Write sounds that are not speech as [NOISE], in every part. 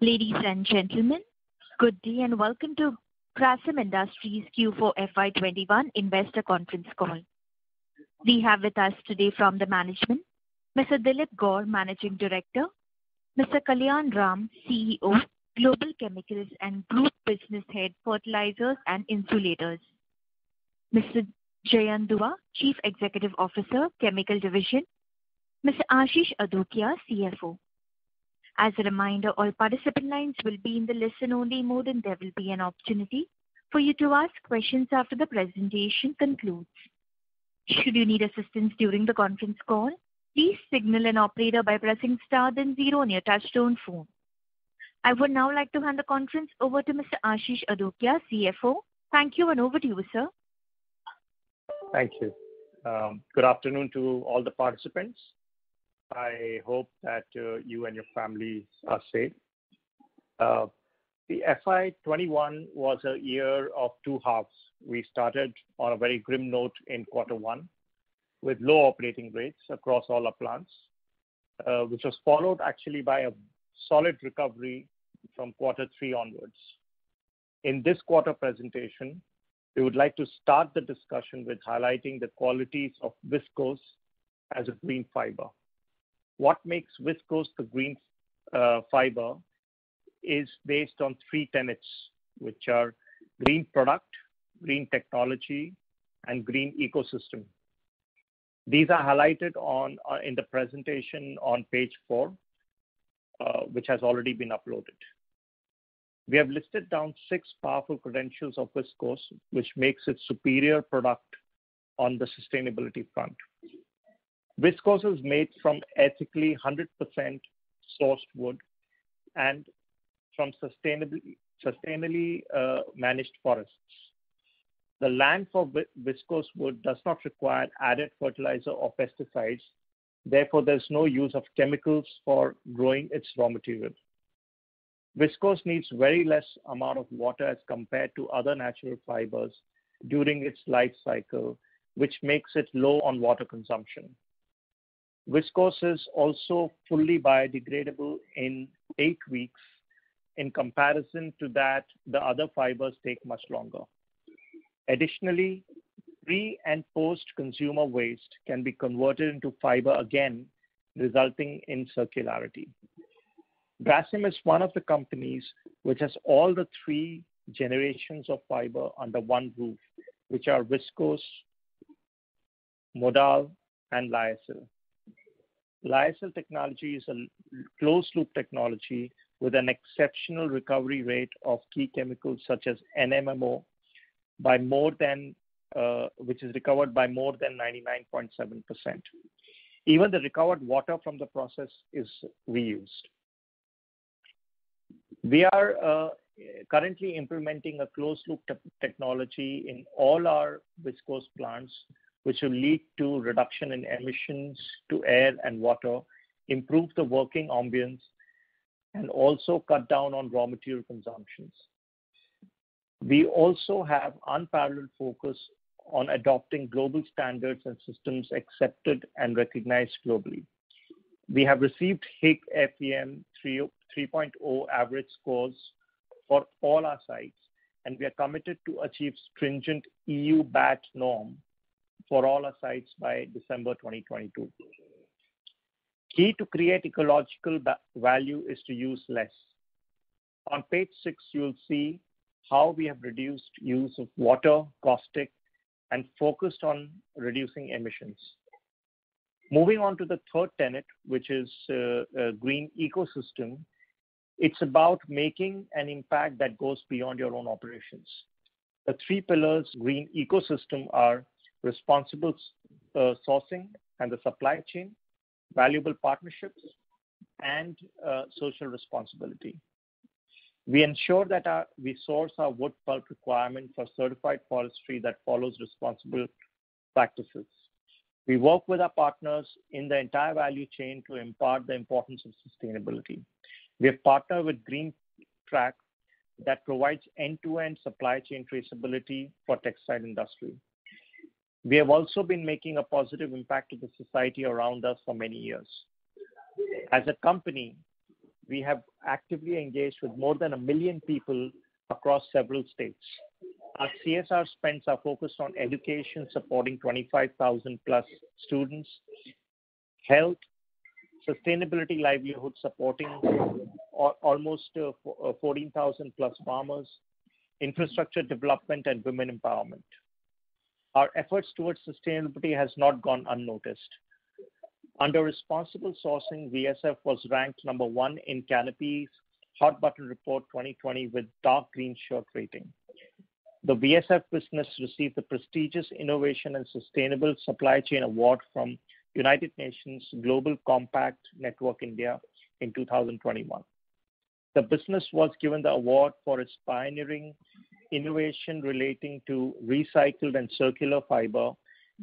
Ladies and gentlemen, good day and welcome to Grasim Industries Q4 FY 2021 investor conference call. We have with us today from the management, Mr. Dilip Gaur, Managing Director, Mr. Kalyan Ram, CEO, Global Chemicals & Group Business Head, Fertilisers & Insulators, Mr. Jayant Dhobley, Chief Executive Officer, Chemical Division, Mr. Ashish Adukia, CFO. As a reminder, all participant lines will be in the listen-only mode, and there will be an opportunity for you to ask questions after the presentation concludes. Should you need assistance during the conference call, please signal an operator by pressing star then zero on your touchtone phone. I would now like to hand the conference over to Mr. Ashish Adukia, CFO. Thank you, and over to you, sir. Thank you. Good afternoon to all the participants. I hope that you and your families are safe. The FY 2021 was a year of two halves. We started on a very grim note in quarter one with low operating rates across all our plants, which was followed actually by a solid recovery from quarter three onwards. In this quarter presentation, we would like to start the discussion with highlighting the qualities of viscose as a green fiber. What makes viscose the green fiber is based on three tenets, which are green product, green technology, and green ecosystem. These are highlighted in the presentation on page four, which has already been uploaded. We have listed down six powerful credentials of viscose, which makes it superior product on the sustainability front. Viscose is made from ethically 100% sourced wood and from sustainably managed forests. The land for viscose wood does not require added fertilizer or pesticides, therefore, there's no use of chemicals for growing its raw material. Viscose needs very less amount of water as compared to other natural fibers during its life cycle, which makes it low on water consumption. Viscose is also fully biodegradable in eight weeks. In comparison to that, the other fibers take much longer. Additionally, pre and post-consumer waste can be converted into fiber again, resulting in circularity. Grasim is one of the companies which has all the three generations of fiber under one roof, which are viscose, modal, and lyocell. Lyocell technology is a closed-loop technology with an exceptional recovery rate of key chemicals such as NMMO, which is recovered by more than 99.7%. Even the recovered water from the process is reused. We are currently implementing a closed-loop technology in all our viscose plants, which will lead to reduction in emissions to air and water, improve the working ambience, and also cut down on raw material consumptions. We also have unparalleled focus on adopting global standards and systems accepted and recognized globally. We have received Higg FEM 3.0 average scores for all our sites. We are committed to achieve stringent EU BAT norm for all our sites by December 2022. Key to create ecological value is to use less. On page six, you'll see how we have reduced use of water, caustic, and focused on reducing emissions. Moving on to the third tenet, which is a green ecosystem. It's about making an impact that goes beyond your own operations. The three pillars of green ecosystem are responsible sourcing and the supply chain, valuable partnerships, and social responsibility. We ensure that we source our wood pulp requirement for certified forestry that follows responsible practices. We work with our partners in the entire value chain to impart the importance of sustainability. We partner with TextileGenesis that provides end-to-end supply chain traceability for textile industry. We have also been making a positive impact to the society around us for many years. As a company, we have actively engaged with more than 1 million people across several states. Our CSR spends are focused on education, supporting 25,000+ students, health, sustainability livelihood supporting almost 14,000+ farmers, infrastructure development, and women empowerment. Our efforts towards sustainability has not gone unnoticed. Under responsible sourcing, VSF was ranked number one in Canopy's Hot Button Report 2020 with dark green shelf rating. The VSF business received the prestigious Innovation and Sustainable Supply Chain Award from United Nations Global Compact Network India in 2021. The business was given the award for its pioneering innovation relating to recycled and circular fiber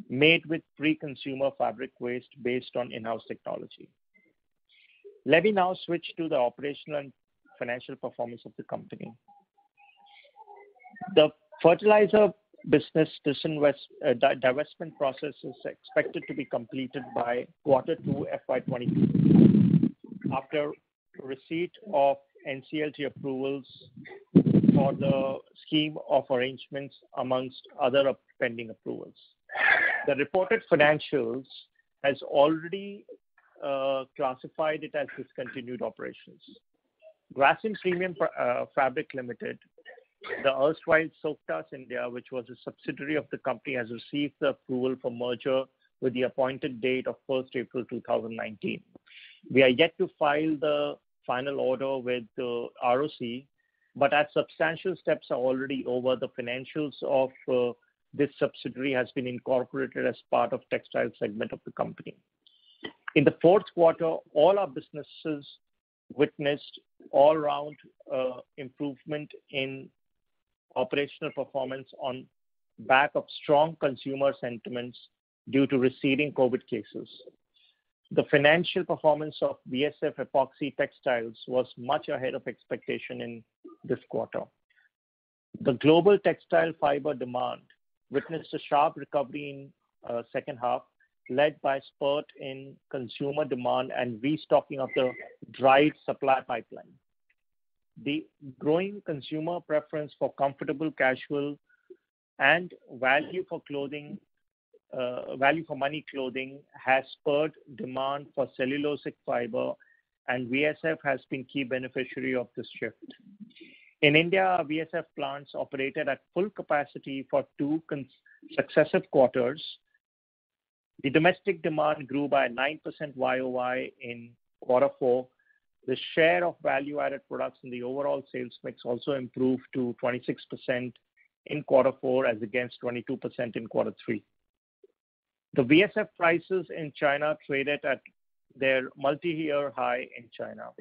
made with pre-consumer fabric waste based on in-house technology. Let me now switch to the operational and financial performance of the company. The fertilizer business divestment process is expected to be completed by quarter two FY 2022 after receipt of NCLT approvals for the scheme of arrangements amongst other pending approvals. The reported financials has already classified it as discontinued operations. Grasim Premium Fabric Private Limited, the erstwhile Soktas India, which was a subsidiary of the company, has received the approval for merger with the appointed date of 1st April 2019. We are yet to file the final order with the ROC, but as substantial steps are already over, the financials of this subsidiary has been incorporated as part of textile segment of the company. In the fourth quarter, all our businesses witnessed all-round improvement in operational performance on back of strong consumer sentiments due to receding COVID cases. The financial performance of VSF epoxy textiles was much ahead of expectation in this quarter. The global textile fiber demand witnessed a sharp recovery in second half, led by spurt in consumer demand and restocking of the dry supply pipeline. The growing consumer preference for comfortable casual and value-for-money clothing has spurred demand for cellulosic fiber, and VSF has been key beneficiary of this shift. In India, VSF plants operated at full capacity for two successive quarters. The domestic demand grew by 9% YoY in quarter four. The share of value-added products in the overall sales mix also improved to 26% in quarter four as against 22% in quarter three. The VSF prices in China traded at their multi-year high in China.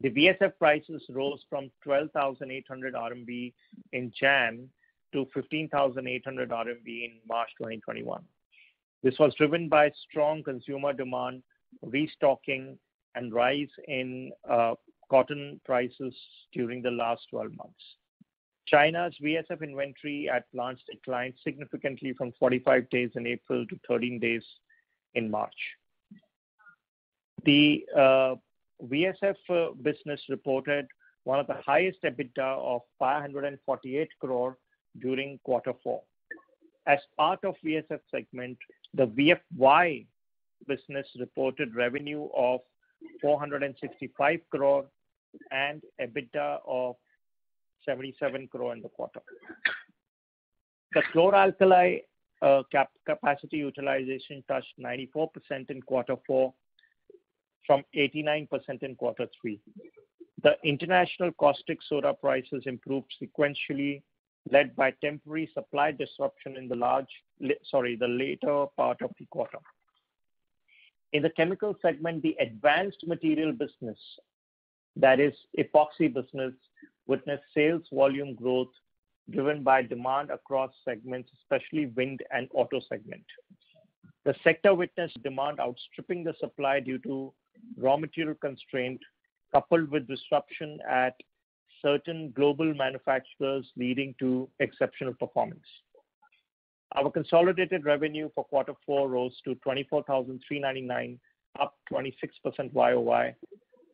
The VSF prices rose from 12,800 RMB in January to 15,800 RMB in March 2021. This was driven by strong consumer demand, restocking, and rise in cotton prices during the last 12 months. China's VSF inventory at plants declined significantly from 45 days in April to 13 days in March. The VSF business reported one of the highest EBITDA of 548 crore during quarter four. As part of VSF segment, the VFY business reported revenue of 465 crore and EBITDA of 77 crore in the quarter. The chloralkali capacity utilization touched 94% in quarter four from 89% in quarter three. The international caustic soda prices improved sequentially, led by temporary supply disruption in the later part of the quarter. In the chemical segment, the Advanced Materials business, that is epoxy business, witnessed sales volume growth driven by demand across segments, especially wind and auto segment. The sector witnessed demand outstripping the supply due to raw material constraint coupled with disruption at certain global manufacturers leading to exceptional performance. Our consolidated revenue for quarter four rose to 24,399, up 26% YoY,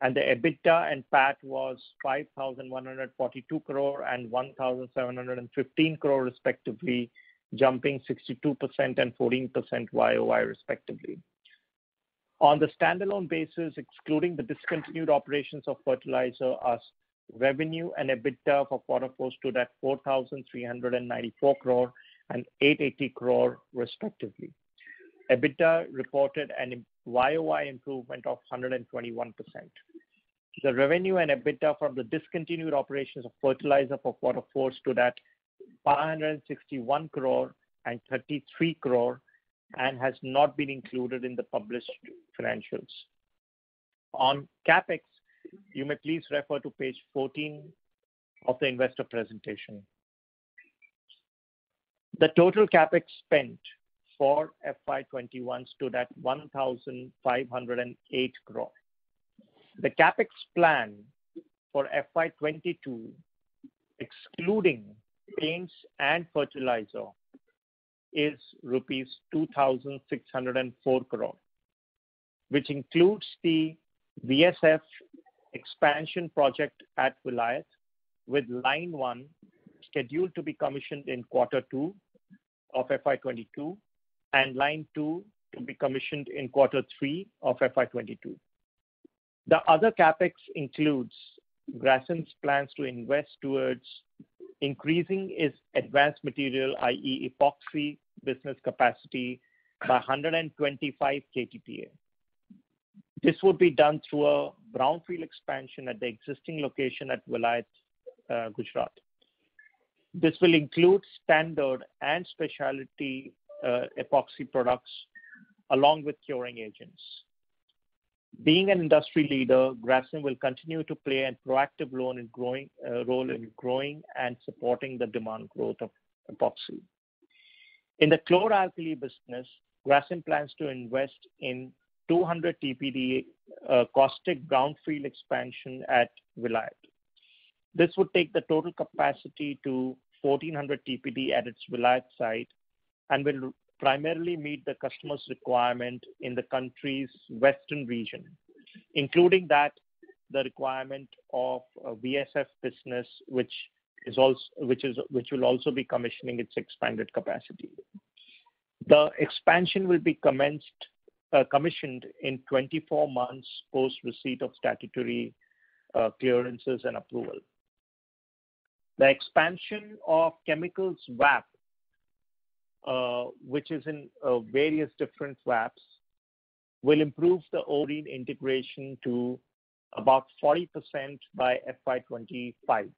and the EBITDA and PAT was 5,142 crore and 1,715 crore respectively, jumping 62% and 14% YoY respectively. On the standalone basis, excluding the discontinued operations of fertilizer, our revenue and EBITDA for quarter four stood at 4,394 crore and 880 crore respectively. EBITDA reported an YoY improvement of 121%. The revenue and EBITDA from the discontinued operations of fertilizer for quarter four stood at 561 crore and 33 crore and has not been included in the published financials. On CapEx, you may please refer to page 14 of the investor presentation. The total CapEx spent for FY 2021 stood at 1,508 crore. The CapEx plan for FY 2022, excluding paints and fertilizer, is rupees 2,604 crore, which includes the VSF expansion project at Vilayat with line one scheduled to be commissioned in quarter two of FY 2022 and line two to be commissioned in quarter three of FY 2022. The other CapEx includes Grasim's plans to invest towards increasing its Advanced Materials, i.e., epoxy business capacity by 125 KTPA. This will be done through a brownfield expansion at the existing location at Vilayat, Gujarat. This will include standard and specialty epoxy products along with curing agents. Being an industry leader, Grasim will continue to play a proactive role in growing and supporting the demand growth of epoxy. In the chlor-alkali business, Grasim plans to invest in 200 TPD caustic brownfield expansion at Vilayat. This will take the total capacity to 1,400 TPD at its Vilayat site and will primarily meet the customer's requirement in the country's western region, including that the requirement of VSF business, which will also be commissioning its expanded capacity. The expansion will be commissioned in 24 months post receipt of statutory clearances and approval. The expansion of chemicals VAP, which is in various different VAPs, will improve the overall integration to about 40% by FY 2025.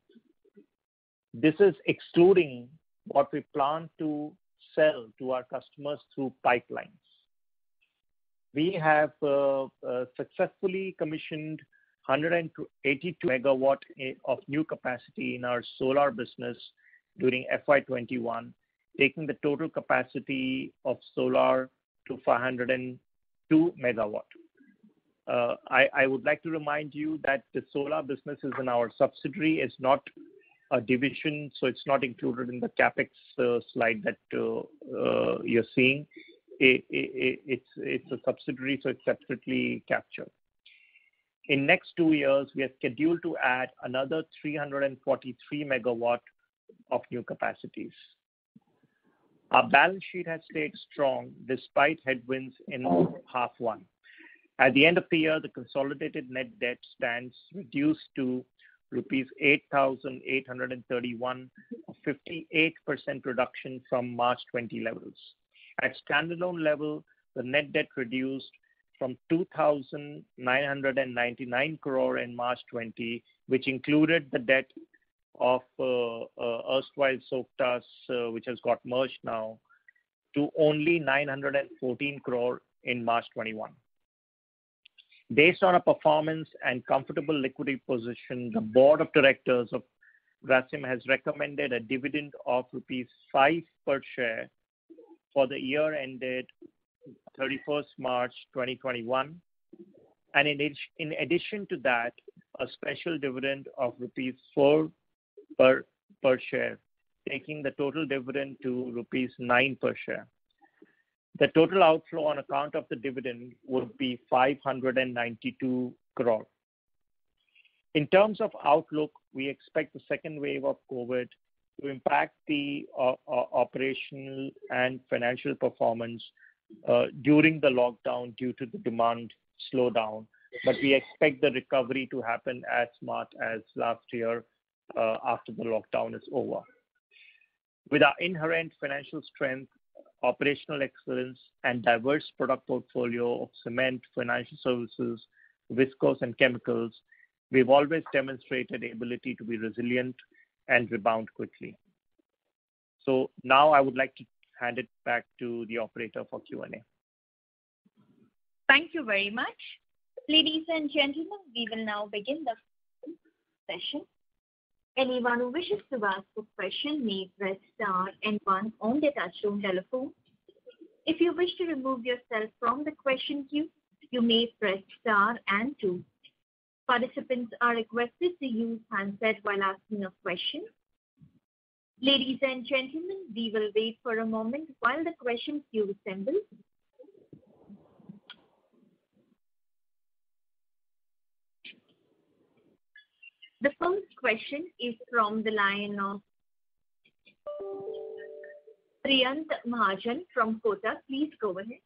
This is excluding what we plan to sell to our customers through pipelines. We have successfully commissioned 182 megawatts of new capacity in our solar business during FY 2021, taking the total capacity of solar to 502 megawatts. I would like to remind you that the solar business is in our subsidiary. It's not a division, so it's not included in the CapEx slide that you're seeing. It's a subsidiary, so it's separately captured. In next two years, we are scheduled to add another 343 MW of new capacities. Our balance sheet has stayed strong despite headwinds in half one. At the end of the year, the consolidated net debt stands reduced to rupees 8,831, a 58% reduction from March 2020 levels. At standalone level, the net debt reduced from 2,999 crore in March 2020, which included the debt of erstwhile Soktas, which has got merged now, to only 914 crore in March 2021. Based on our performance and comfortable liquidity position, the board of directors of Grasim has recommended a dividend of rupees 5 per share for the year ended 31st March 2021, and in addition to that, a special dividend of rupees 4 per share, taking the total dividend to rupees 9 per share. The total outflow on account of the dividend would be 592 crore. In terms of outlook, we expect the second wave of COVID to impact the operational and financial performance during the lockdown due to the demand slowdown, we expect the recovery to happen as much as last year after the lockdown is over. With our inherent financial strength, operational excellence and diverse product portfolio of cement, financial services, viscose and chemicals, we've always demonstrated ability to be resilient and rebound quickly. Now I would like to hand it back to the operator for Q and A. Thank you very much. Ladies and gentlemen, we will now begin the question-and- answers session. Anyone who wishes to ask a question may press star and one on their touch-tone telephone. If you wish to remove yourself from the question queue, you may press star and two. Participants are requested to use handset when asking a question. Ladies and gentlemen, we will wait for a moment while the question queue assembles. The first question is from the line of Priyank Mahajan from Kotak. Please go ahead.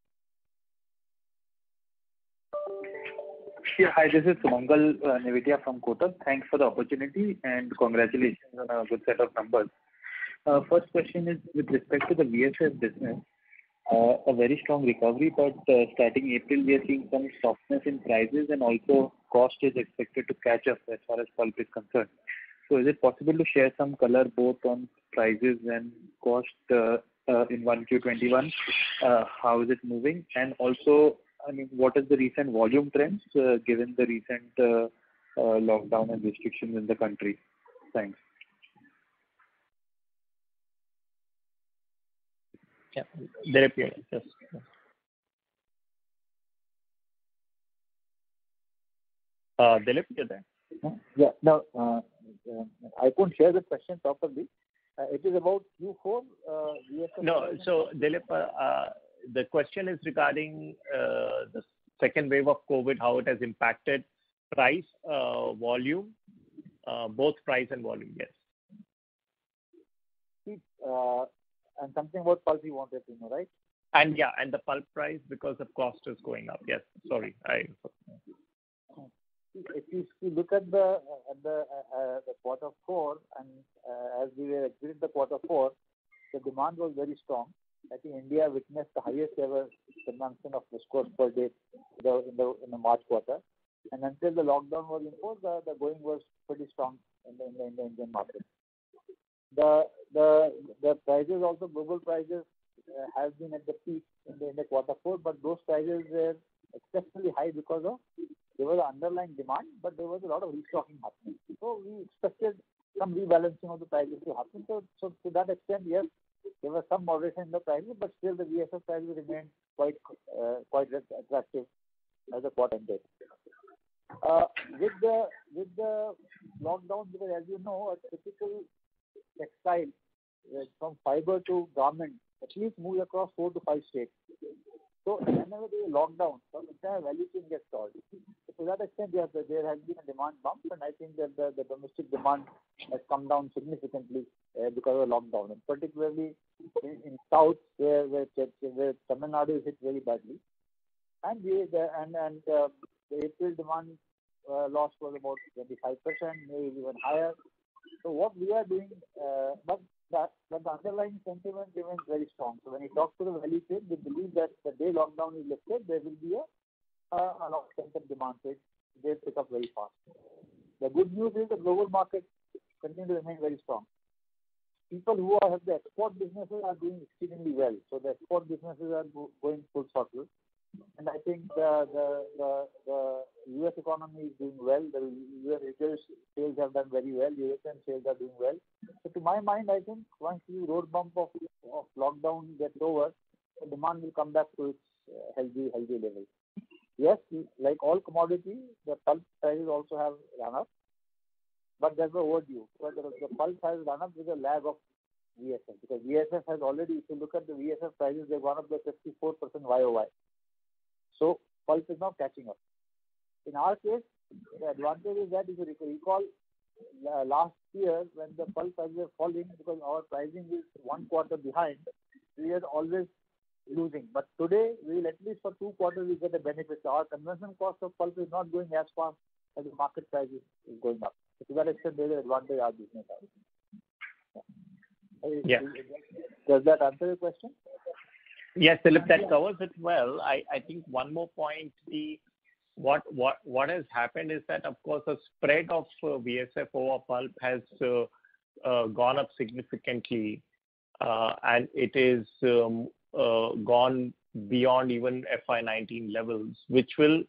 Hi, this is Sumangal Nevatia from Kotak. Thanks for the opportunity and congratulations on a good set of numbers. First question is with respect to the VSF business, a very strong recovery, but starting April, we are seeing some softness in prices and also cost is expected to catch up as far as pulp is concerned. Is it possible to share some color both on prices and cost in Q1 2021? How is it moving? Also, what is the recent volume trends given the recent lockdown and restrictions in the country? Thanks. Yeah. Dilip can answer. Dilip, you can. Yeah. I could share the question properly. It is about you. [INAUDIBLE] VSF. No. Dilip, the question is regarding the second wave of COVID, how it has impacted both price and volume? Yes. Something about pulp you wanted to know, right? Yeah, the pulp price because the cost is going up. Yes. Sorry. If you look at the quarter four, and as we did the quarter four, the demand was very strong. I think India witnessed the highest ever consumption of viscose per day in the March quarter. Until the lockdown was imposed, the going was pretty strong in the market. The prices of the global prices have been at the peak in the quarter four, but those prices were exceptionally high because of, there was underlying demand, but there was a lot of restock in the market. We expected some rebalancing of the prices to happen. To that extent, yes, there was some moderation in the pricing, but still the VSF pricing remained quite aggressive. That's important there. With the lockdown, as you know, a typical textile from fiber to garment, at least move across four to five states. Whenever there's a lockdown, the entire value chain gets stalled. To that extent, there has been a demand drop, I think the domestic demand has come down significantly because of lockdown. Particularly in South, Tamil Nadu is hit very badly. The April demand loss was about 35%, maybe even higher. What we are doing. The underlying sentiment remains very strong. When you talk to the value chain, they believe that the day lockdown is lifted, there will be an outstanding demand. They pick up very fast. The good news is the global market continues to remain very strong. People who have the export businesses are doing extremely well. The export businesses are going full circle. I think the U.S. economy is doing well. The U.S. retailers sales have done very well. The Asian sales are doing well. To my mind, I think once the road bump of lockdown get lower, the demand will come back to its healthy level. Yes, like all commodity, the pulp prices also have gone up, but there's an overdue. VSF has already, if you look at the VSF prices, they're gone up by 54% YoY. Pulp is now catching up. In our case, the advantage we had is, if you recall last year when the pulp prices were falling because our pricing is one quarter behind, we are always losing. Today, we will at least for two quarters we get a benefit. Our conversion cost of pulp is not going as fast as the market prices is going up. It's a very similar logic our business has. Yeah. Does that answer your question? Yes, Dilip, that covers it well. I think one more point, What has happened is that, of course, the spread of VSF over pulp has gone up significantly, and it is gone beyond even FY 2019 levels, which will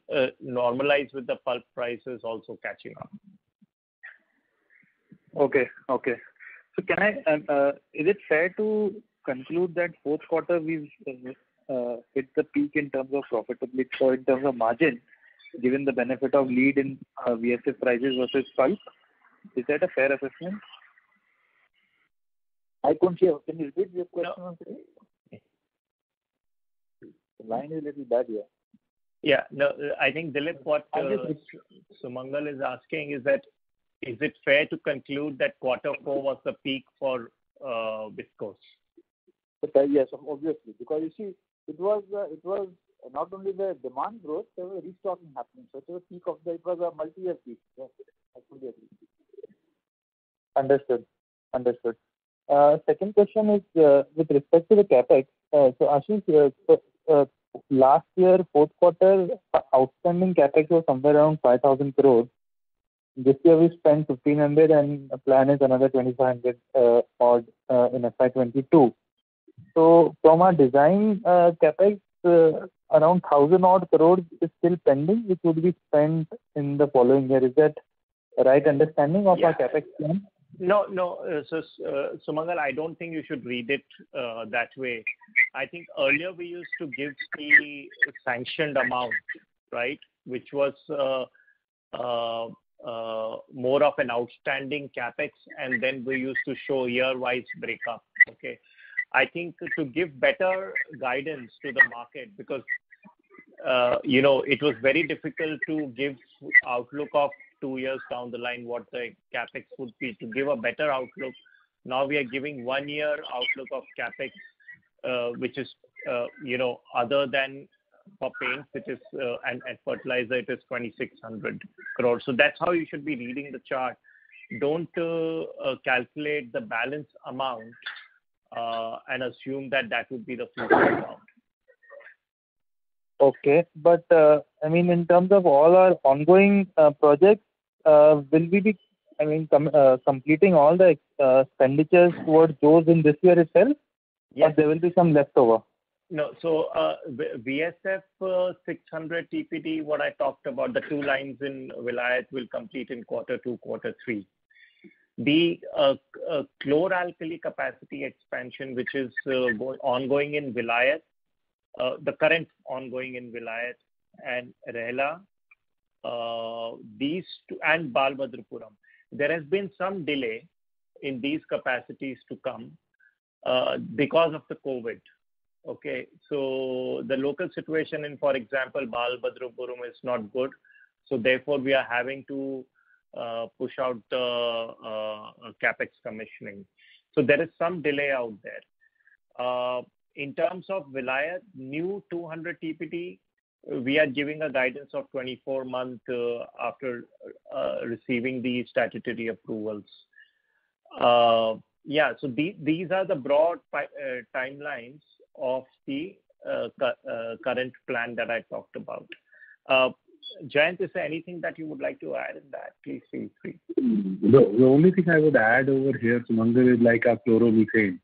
normalize with the pulp prices also catching up. Okay. Is it fair to conclude that fourth quarter we've hit the peak in terms of profitability or in terms of margin, given the benefit of lead in our VSF prices versus pulp? Is that a fair assessment? I couldn't hear. Can you repeat your question? Line is little bad, yeah. Yeah. I think, Dilip, what Sumangal is asking is that, is it fair to conclude that quarter four was the peak for EBIT costs? Yes, obviously. You see, it was not only the demand growth, there was a restocking happening. The peak of that was a multi-year peak. That's it. Understood. Second question is with respect to the CapEx. Ashish, last year, fourth quarter, outstanding CapEx was somewhere around 5,000 crore. This year we spent 1,500 and the plan is another 2,500 odd in FY 2022. From a design CapEx around 1,000 odd crore is still pending, which will be spent in the following year. Is that the right understanding of the CapEx spend? No. Sumangal, I don't think you should read it that way. I think earlier we used to give the sanctioned amount, right, which was more of an outstanding CapEx, and then we used to show year-wise breakup. Okay? I think to give better guidance to the market because it was very difficult to give outlook of two years down the line what the CapEx would be. To give a better outlook, now we are giving one year outlook of CapEx, which is other than for paints, which is, and fertilizer is 2,600 crores. That's how you should be reading the chart. Don't calculate the balance amount and assume that would be the future amount. Okay. In terms of all our ongoing projects, will we be completing all the expenditures for those in this year itself? Yes. There will be some leftover? No. VSF 600 TPD, what I talked about, the two lines in Vilayat will complete in quarter two, quarter three. The chlor-alkali capacity expansion, which is ongoing in Vilayat, the current ongoing in Vilayat and Rewa and Bhadradri. There has been some delay in these capacities to come because of the COVID. Okay. The local situation in, for example, Bhadradri is not good, therefore we are having to push out the CapEx commissioning. There is some delay out there. In terms of Vilayat new 200 TPD, we are giving a guidance of 24 month after receiving the statutory approvals. Yeah, these are the broad timelines of the current plan that I talked about. Jayant, is there anything that you would like to add in that? Please feel free. No. The only thing I would add over here, Sumangal, is like our chlorovinyls,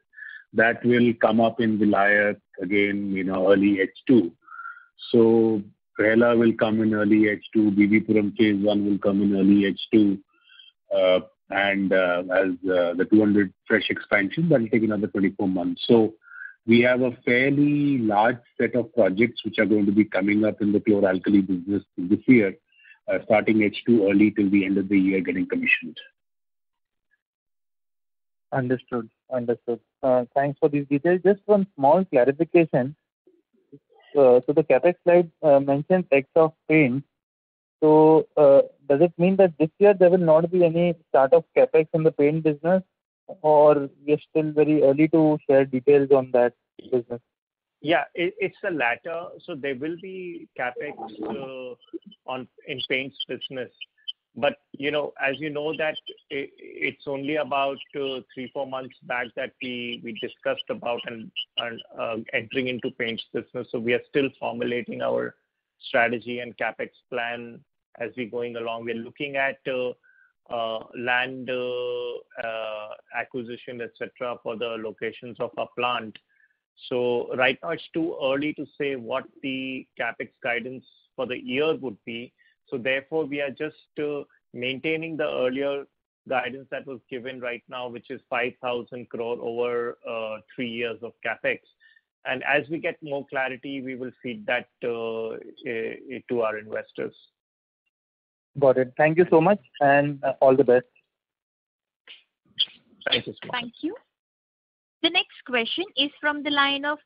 that will come up in Vilayat again in early H2. Rewa will come in early H2. Bhadradri phase one will come in early H2. As the 200 fresh expansions will take another 24 months. We have a fairly large set of projects which are going to be coming up in the chlor-alkali business this year, starting H2 early till the end of the year, getting commissioned. Understood. Thanks for the details. Just one small clarification. The CapEx slide mentioned ex of paint. Does it mean that this year there will not be any start of CapEx in the paint business, or it's still very early to share details on that business? Yeah, it's the latter. There will be CapEx in paints business. As you know that it's only about three, four months back that we discussed about entering into paints business. We are still formulating our strategy and CapEx plan as we're going along. We're looking at land acquisition, et cetera, for the locations of our plant. Right now, it's too early to say what the CapEx guidance for the year would be. Therefore, we are just maintaining the earlier guidance that was given right now, which is 5,000 crore over three years of CapEx. As we get more clarity, we will feed that to our investors. Got it. Thank you so much, and all the best. Thank you so much. Thank you. The next question is from the line of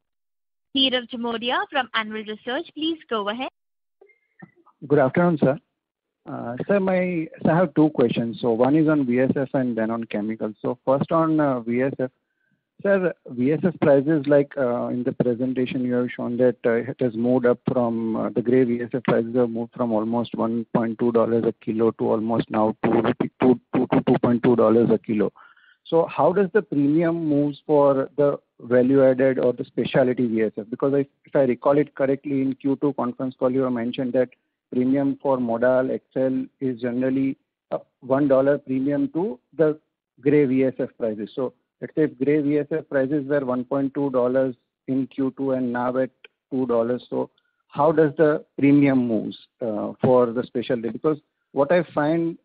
Piyush Chaudhry from Angel Research. Please go ahead. Good afternoon, sir. Sir, I have two questions. One is on VSF and then on chemicals. First on VSF. Sir, VSF prices, like in the presentation you have shown that the gray VSF prices have moved from almost $1.2 a kilo to almost now $2.2 a kilo. How does the premium move for the value-added or the specialty VSF? Because if I recall it correctly, in Q2 conference call, you mentioned that premium for Modal Excel is generally $1 premium to the gray VSF prices. Let's say gray VSF prices were $1.2 in Q2 and now at $2. How does the premium move for the specialty? Because what I find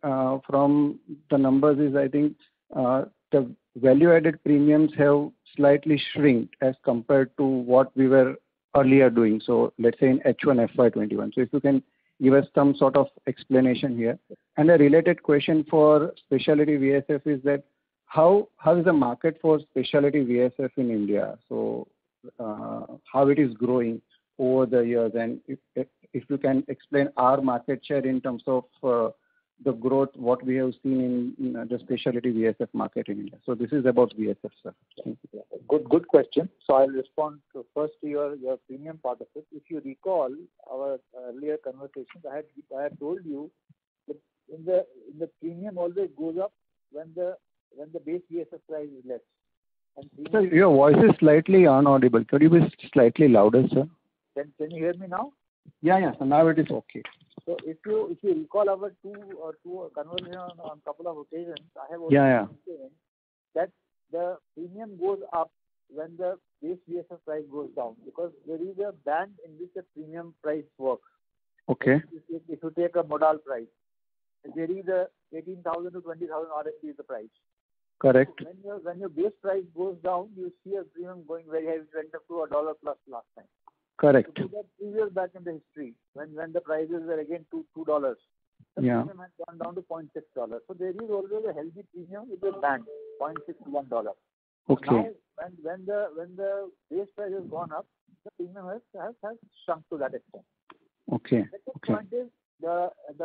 from the numbers is, I think the value-added premiums have slightly shrinked as compared to what we were earlier doing. Let's say in H1 FY 2021. If you can give us some sort of explanation here. A related question for specialty VSF is that how is the market for specialty VSF in India? How it is growing over the years, and if you can explain our market share in terms of the growth, what we have seen in the specialty VSF market in India. This is about VSF, sir. Thank you. Good question. I'll respond to first your premium part of it. If you recall our earlier conversations, I had told you that the premium always goes up when the base VSF price is less. Sir, your voice is slightly inaudible. Could you be slightly louder, sir? Can you hear me now? Yeah. Now it is okay. If you recall our two conversation on a couple of occasions, I have always maintained. Yeah That the premium goes up when the base VSF price goes down, because there is a band in which the premium price works. Okay. If you take a Modal price, there is a 18,000-20,000 price. Correct. When your base price goes down, you see a premium going away right up to $1 plus last time. Correct. If you go three years back in history when the prices were again to $2. Yeah. The premium had gone down to $0.6. There is always a healthy premium with a band, $0.6-$1. Okay. When the base price has gone up, the premium has shrunk to that extent. Okay. The second point is,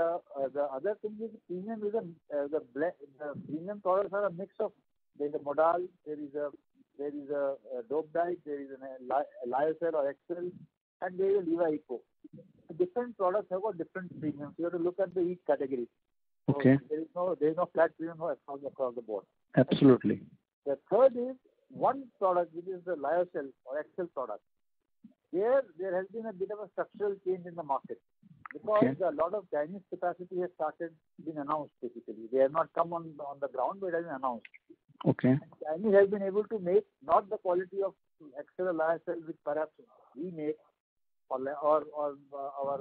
the other thing is the premium products are a mix of, there's a Modal, there is a dope dyed, there is a lyocell or Excel, and there is Eco. Different products have a different premium. You have to look at the each category. Okay. There's no flat premium across the board. Absolutely. The third is one product, which is the lyocell or Excel product. Here, there has been a bit of a structural change in the market. Okay. Because a lot of Chinese capacity has started being announced recently. They have not come on the ground, but has announced. Okay. China has been able to make not the quality of Excel or lyocell which perhaps we make or our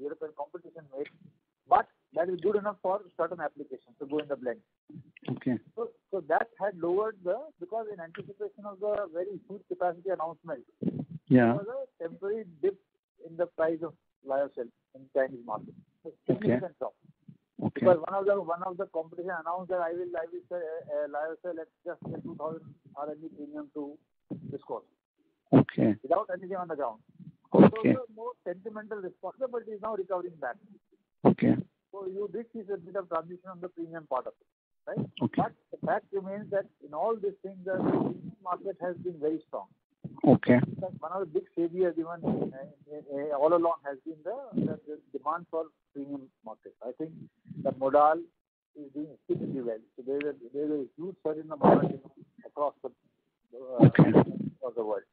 European competition makes, but that is good enough for certain applications to go in the blend. Okay. That had lowered Because in anticipation of the very huge capacity announcement- Yeah Saw a temporary dip in the price of lyocell in Chinese market. Okay. Premium went down. Okay. One of the competition announced that, "I will launch a lyocell at just INR 2,000 premium to viscose. Okay. Without anything on the ground. Okay. It was a more sentimental response, but it is now recovering back. Okay. You did see a bit of transition on the premium part of it, right? Okay. The fact remains that in all these things, the premium market has been very strong. Okay. One of the big savior demand all along has been the demand for premium market. I think the Modal is doing pretty well. There's a huge surge in the market across the world.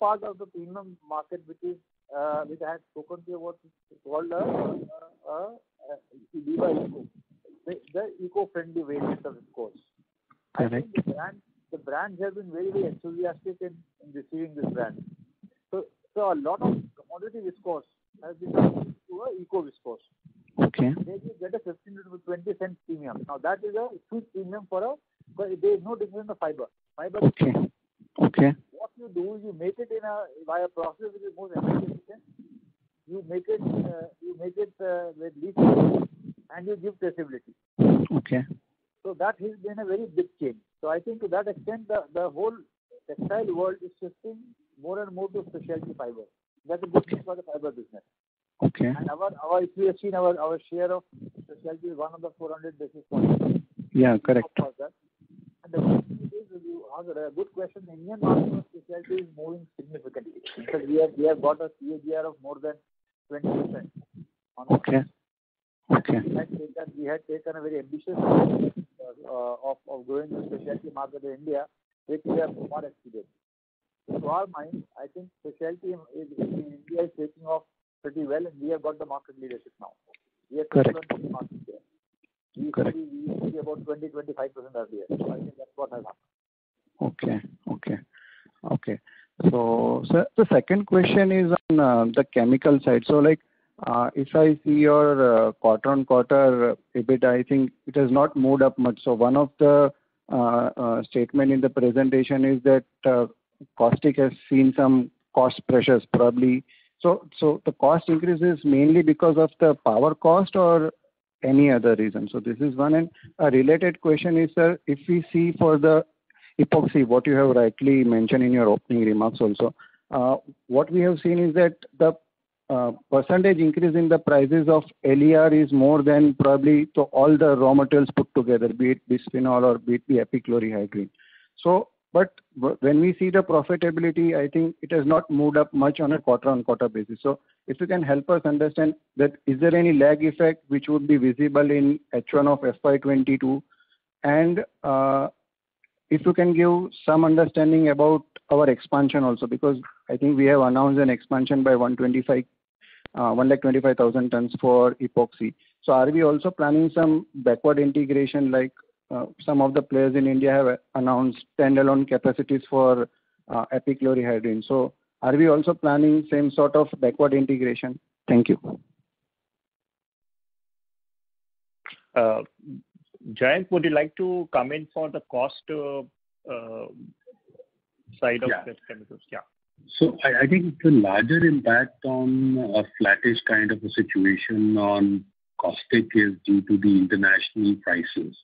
Part of the premium market which I had spoken to you about is called the Eco, the eco-friendly viscose. I think the brand has been very enthusiastic in receiving this brand. A lot of commodity viscose has been moved to Eco viscose. Okay. They can get a sustainable 20% premium. That is a good premium, but there is no difference in fiber. Okay. What you do is you make it via a process which is more energy efficient. You make it with [INAUDIBLE] and you give sustainability. Okay. That has been a very big change. I think to that extent, the whole textile world is shifting more and more to specialty fiber. That is good for the fiber business. Okay. I think we have seen our share of specialty is 100 out of 400 basis points. Yeah, correct. The good question, Indian market for specialty is moving significantly. We have got a CAGR of more than 20%. Okay. In fact, we had taken a very ambitious of going to the specialty market in India, which we have more than achieved. I think specialty in India is taking off pretty well, and we have got the market leadership now. Correct. We have got the market share. Correct. We see about 20%, 25% of the share. I think that's what I said. Okay. The second question is on the chemical side. If I see your quarter-on-quarter EBIT, I think it has not moved up much. One of the statement in the presentation is that caustic has seen some cost pressures, probably. The cost increase is mainly because of the power cost or any other reason? This is one, and a related question is if we see for the epoxy, what you have rightly mentioned in your opening remarks also. What we have seen is that the percentage increase in the prices of LER is more than probably all the raw materials put together, be it bisphenol or be it the epichlorohydrin. When we see the profitability, I think it has not moved up much on a quarter-on-quarter basis. If you can help us understand that is there any lag effect which would be visible in H1 of FY 2022, and if you can give some understanding about our expansion also, because I think we have announced an expansion by 125,000 tons for epoxy. Are we also planning some backward integration like some of the players in India have announced standalone capacities for epichlorohydrin. Are we also planning same sort of backward integration? Thank you. Jayant, would you like to come in for the cost side of this business? Yeah. I think the larger impact on a flattish kind of a situation on caustic is due to the international prices,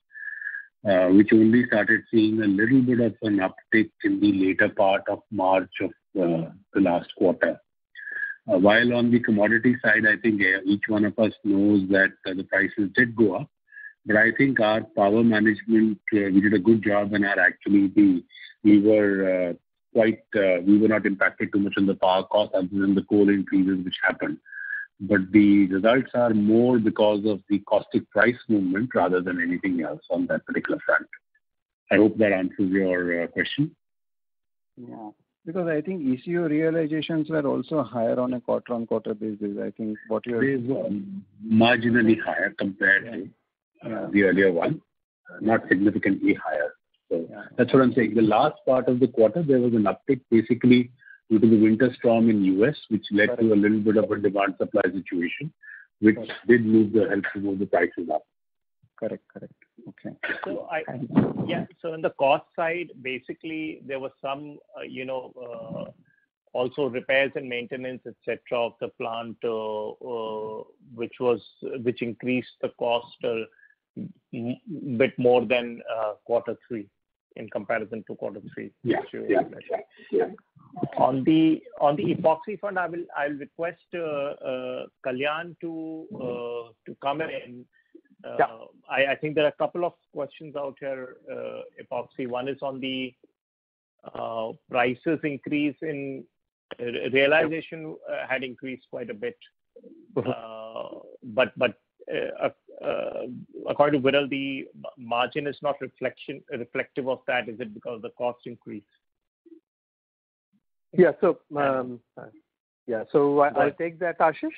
which only started seeing a little bit of an uptick in the later part of March of the last quarter. On the commodity side, I think each one of us knows that the prices did go up. I think our power management, we did a good job in our activity. We were not impacted too much in the power cost until in the coal increases which happened. The results are more because of the caustic price movement rather than anything else on that particular front. I hope that answers your question. Yeah. I think ECU realizations were also higher on a quarter-on-quarter basis. Marginally higher compared to the earlier one, not significantly higher. Yeah. That's what I'm saying. The last part of the quarter, there was an uptick basically due to the winter storm in U.S., which led to a little bit of a demand supply situation, which did move the prices up. Correct. Okay. On the cost side, basically, there was some also repairs and maintenance, et cetera, of the plant, which increased the cost a bit more than quarter three in comparison to quarter three, which you have mentioned. Yeah. On the epoxy front, I will request Kalyan to come in. Yeah. I think there are a couple of questions out here. Epoxy, one is on the prices increase in realization had increased quite a bit. Okay. According to Viral, the margin is not reflective of that. Is it because the cost increased? Yeah. I'll take that, Ashish.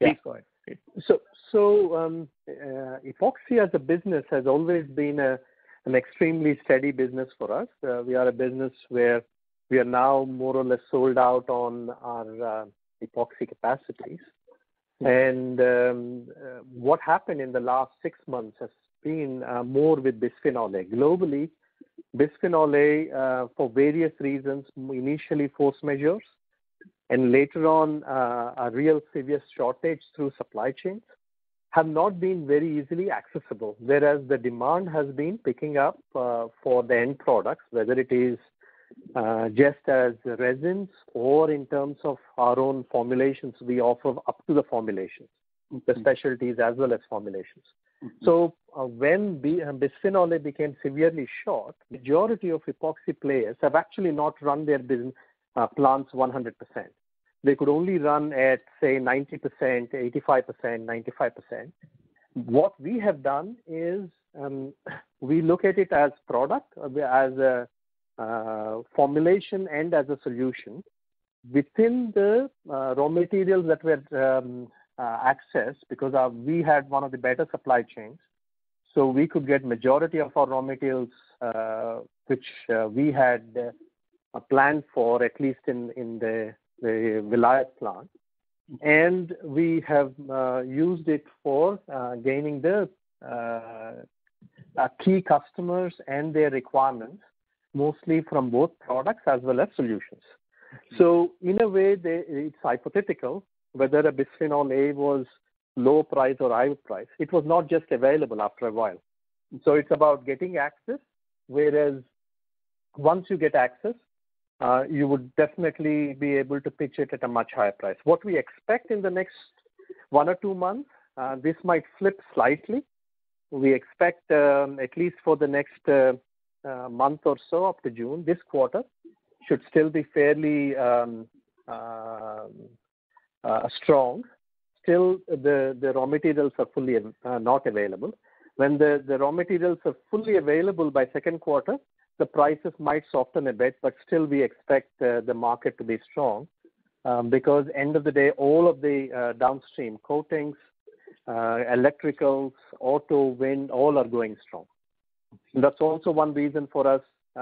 Please go ahead. Epoxy as a business has always been an extremely steady business for us. We are a business where we are now more or less sold out on our epoxy capacities. What happened in the last six months has been more with bisphenol A. Globally, bisphenol A for various reasons, initially force majeure, and later on, a real serious shortage through supply chains, have not been very easily accessible. The demand has been picking up for the end products, whether it is just as resins or in terms of our own formulations we offer up to the formulations, the specialties as well as formulations. When bisphenol A became severely short, majority of epoxy players have actually not run their plants 100%. They could only run at, say, 90%, 85%, 95%. What we have done is we look at it as product, as a formulation, and as a solution. Within the raw materials that were accessed, because we had one of the better supply chains, we could get majority of our raw materials, which we had planned for, at least in the Vizag plant. We have used it for gaining the key customers and their requirements, mostly from both products as well as solutions. In a way, it's hypothetical whether a bisphenol A was low price or high price. It was not just available after a while. It's about getting access, whereas once you get access, you would definitely be able to pitch it at a much higher price. What we expect in the next one to two months, this might flip slightly. We expect, at least for the next month or so up to June, this quarter should still be fairly strong. Still, the raw materials are not available. When the raw materials are fully available by the second quarter, the prices might soften a bit, but still, we expect the market to be strong because at the end of the day, all of the downstream coatings, electricals, auto, wind, all are going strong. That's also one reason for us, we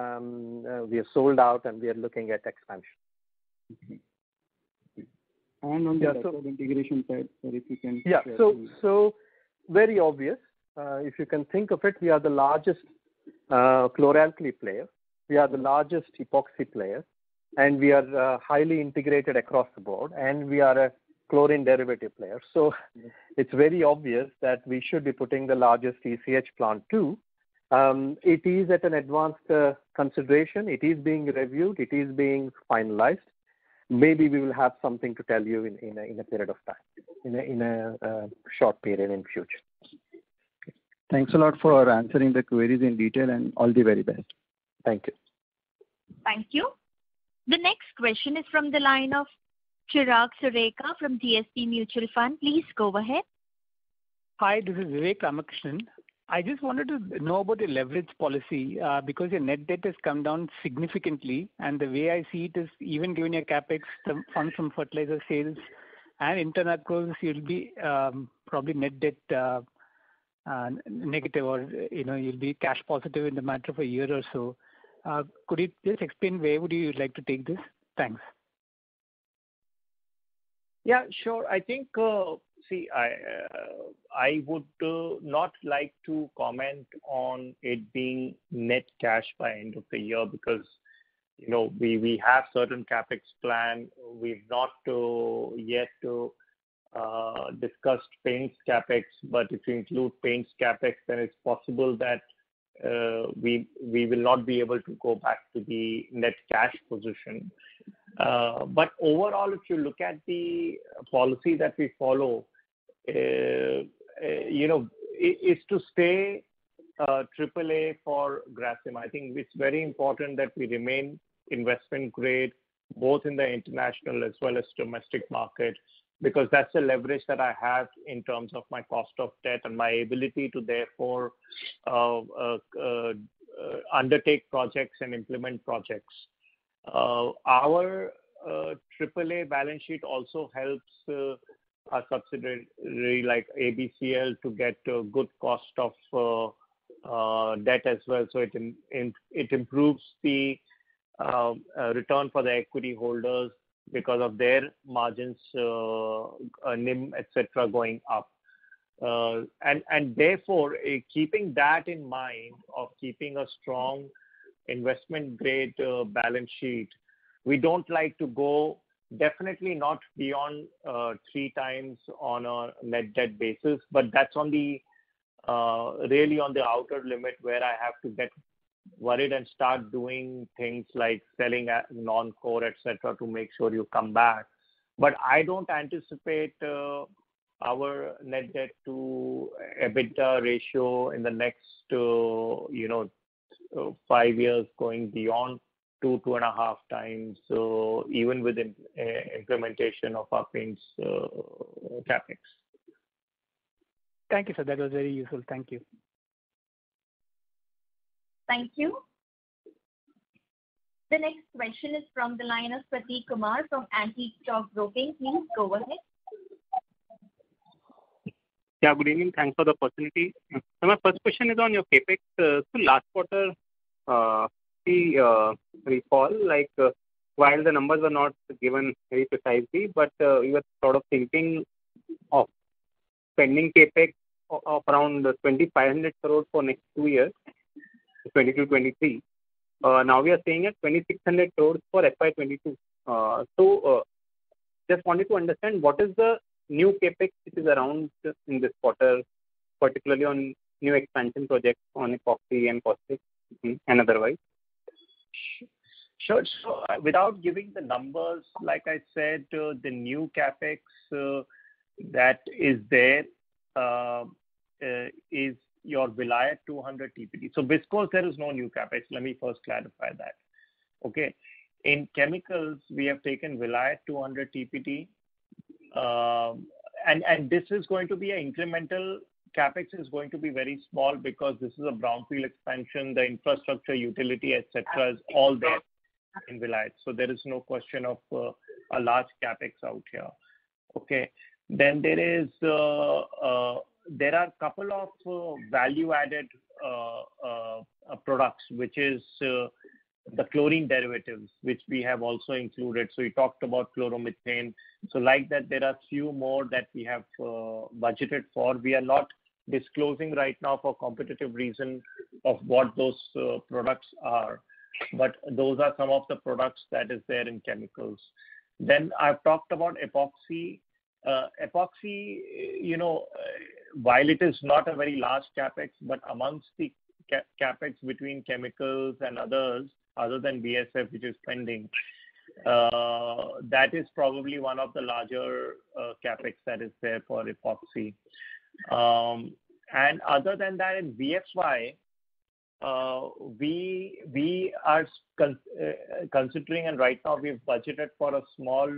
are sold out and we are looking at expansion. On integration side, if you can- Yeah. Very obvious. If you can think of it, we are the largest chloralkali player, we are the largest epoxy player, and we are a highly integrated across the board, and we are a chlorine derivative player. It's very obvious that we should be putting the largest ECH plant too. It is at an advanced consideration. It is being reviewed. It is being finalized. Maybe we will have something to tell you in a period of time, in a short period in future. Okay. Thanks a lot for answering the queries in detail. All the very best. Thank you. Thank you. The next question is from the line of Chirag Sureka from DSP Mutual Fund. Please go ahead. Hi, this is Vivek Ramakrishnan. I just wanted to know about the leverage policy, because your net debt has come down significantly, and the way I see it is even given your CapEx from funds from fertilizer sales and internal accruals, you'll be probably net debt negative or you'll be cash positive in the matter of a year or so. Could you please explain where would you like to take this? Thanks. Sure. I think, see, I would not like to comment on it being net cash by end of the year because we have certain CapEx plan. We've not yet discussed paints CapEx, but if you include paints CapEx, then it's possible that we will not be able to go back to the net cash position. Overall, if you look at the policy that we follow, is to stay AAA for Grasim. I think it's very important that we remain investment grade, both in the international as well as domestic market, because that's the leverage that I have in terms of my cost of debt and my ability to therefore undertake projects and implement projects. Our AAA balance sheet also helps our subsidiary like ABCL to get a good cost of debt as well. It improves the return for the equity holders because of their margins, NIM, et cetera, going up. Therefore, keeping that in mind, of keeping a strong investment-grade balance sheet, we don't like to go, definitely not beyond 3 times on a net debt basis, but that's really on the outer limit where I have to get worried and start doing things like selling non-core, et cetera, to make sure you come back. I don't anticipate our net debt to EBITDA ratio in the next five years going beyond 2 to 2.5 times, even with the implementation of our paints CapEx. Thank you, sir. That was very useful. Thank you. Thank you. The next question is from the line of Prateek Kumar from Antique Stock Broking. Please go ahead. Good evening. Thanks for the opportunity. My first question is on your CapEx. Last quarter, if we recall, while the numbers are not given very precisely, but you were sort of thinking of spending CapEx of around 2,500 for next two years, 2022, 2023. Now you are saying 2,600 for FY 2022. Just wanted to understand what is the new CapEx which is around just in this quarter, particularly on new expansion projects on epoxy and caustic and otherwise? Sure. Without giving the numbers, like I said, the new CapEx that is there is your Vilayat 200 TPD. Bisphenol there is no new CapEx. Let me first clarify that. Okay. In chemicals, we have taken Vilayat 200 TPD- This is going to be incremental. CapEx is going to be very small because this is a brownfield expansion, the infrastructure, utility, et cetera, is all there in Vapi. There is no question of a large CapEx out here. Okay. There are a couple of value-added products, which is the chlorine derivatives, which we have also included. We talked about chloromethane. Like that, there are few more that we have budgeted for. We are not disclosing right now for competitive reason of what those products are, but those are some of the products that is there in chemicals. I've talked about epoxy. While it is not a very large CapEx, but amongst the CapEx between chemicals and others, other than VSF, which is pending, that is probably one of the larger CapEx that is there for epoxy. Other than that, in VFY, we are considering, and right now we've budgeted for a small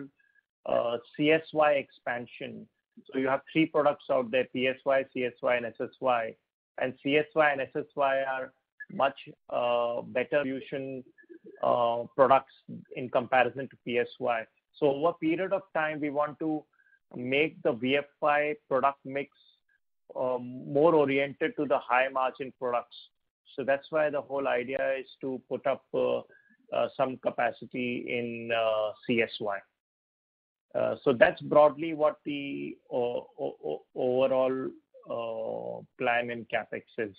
CSY expansion. You have three products out there, PSY, CSY, and SSY, and CSY and SSY are much better margin products in comparison to PSY. Over a period of time, we want to make the VFY product mix more oriented to the high-margin products. That's why the whole idea is to put up some capacity in CSY. That's broadly what the overall plan in CapEx is.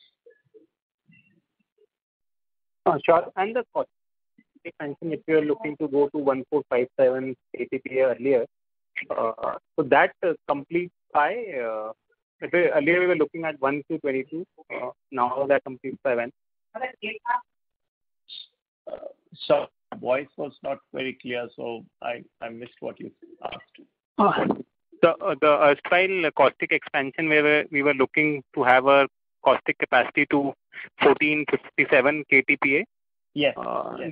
Sure. Earlier we were looking at [inaudable], now that completes by when? Sorry, your voice was not very clear, so I missed what you asked. The caustic expansion, we were looking to have a caustic capacity to 1457 KTPA. Yes.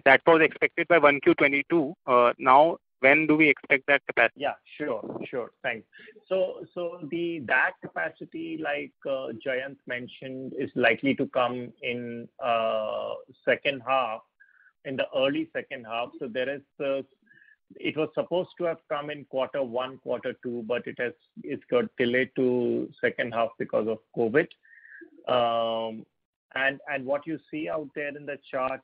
That was expected by 2022. When do we expect that capacity? Yeah, sure. Thanks. That capacity, like Jayant mentioned, is likely to come in the early second half. It was supposed to have come in quarter one, quarter two, but it got delayed to the second half because of COVID. What you see out there in the chart,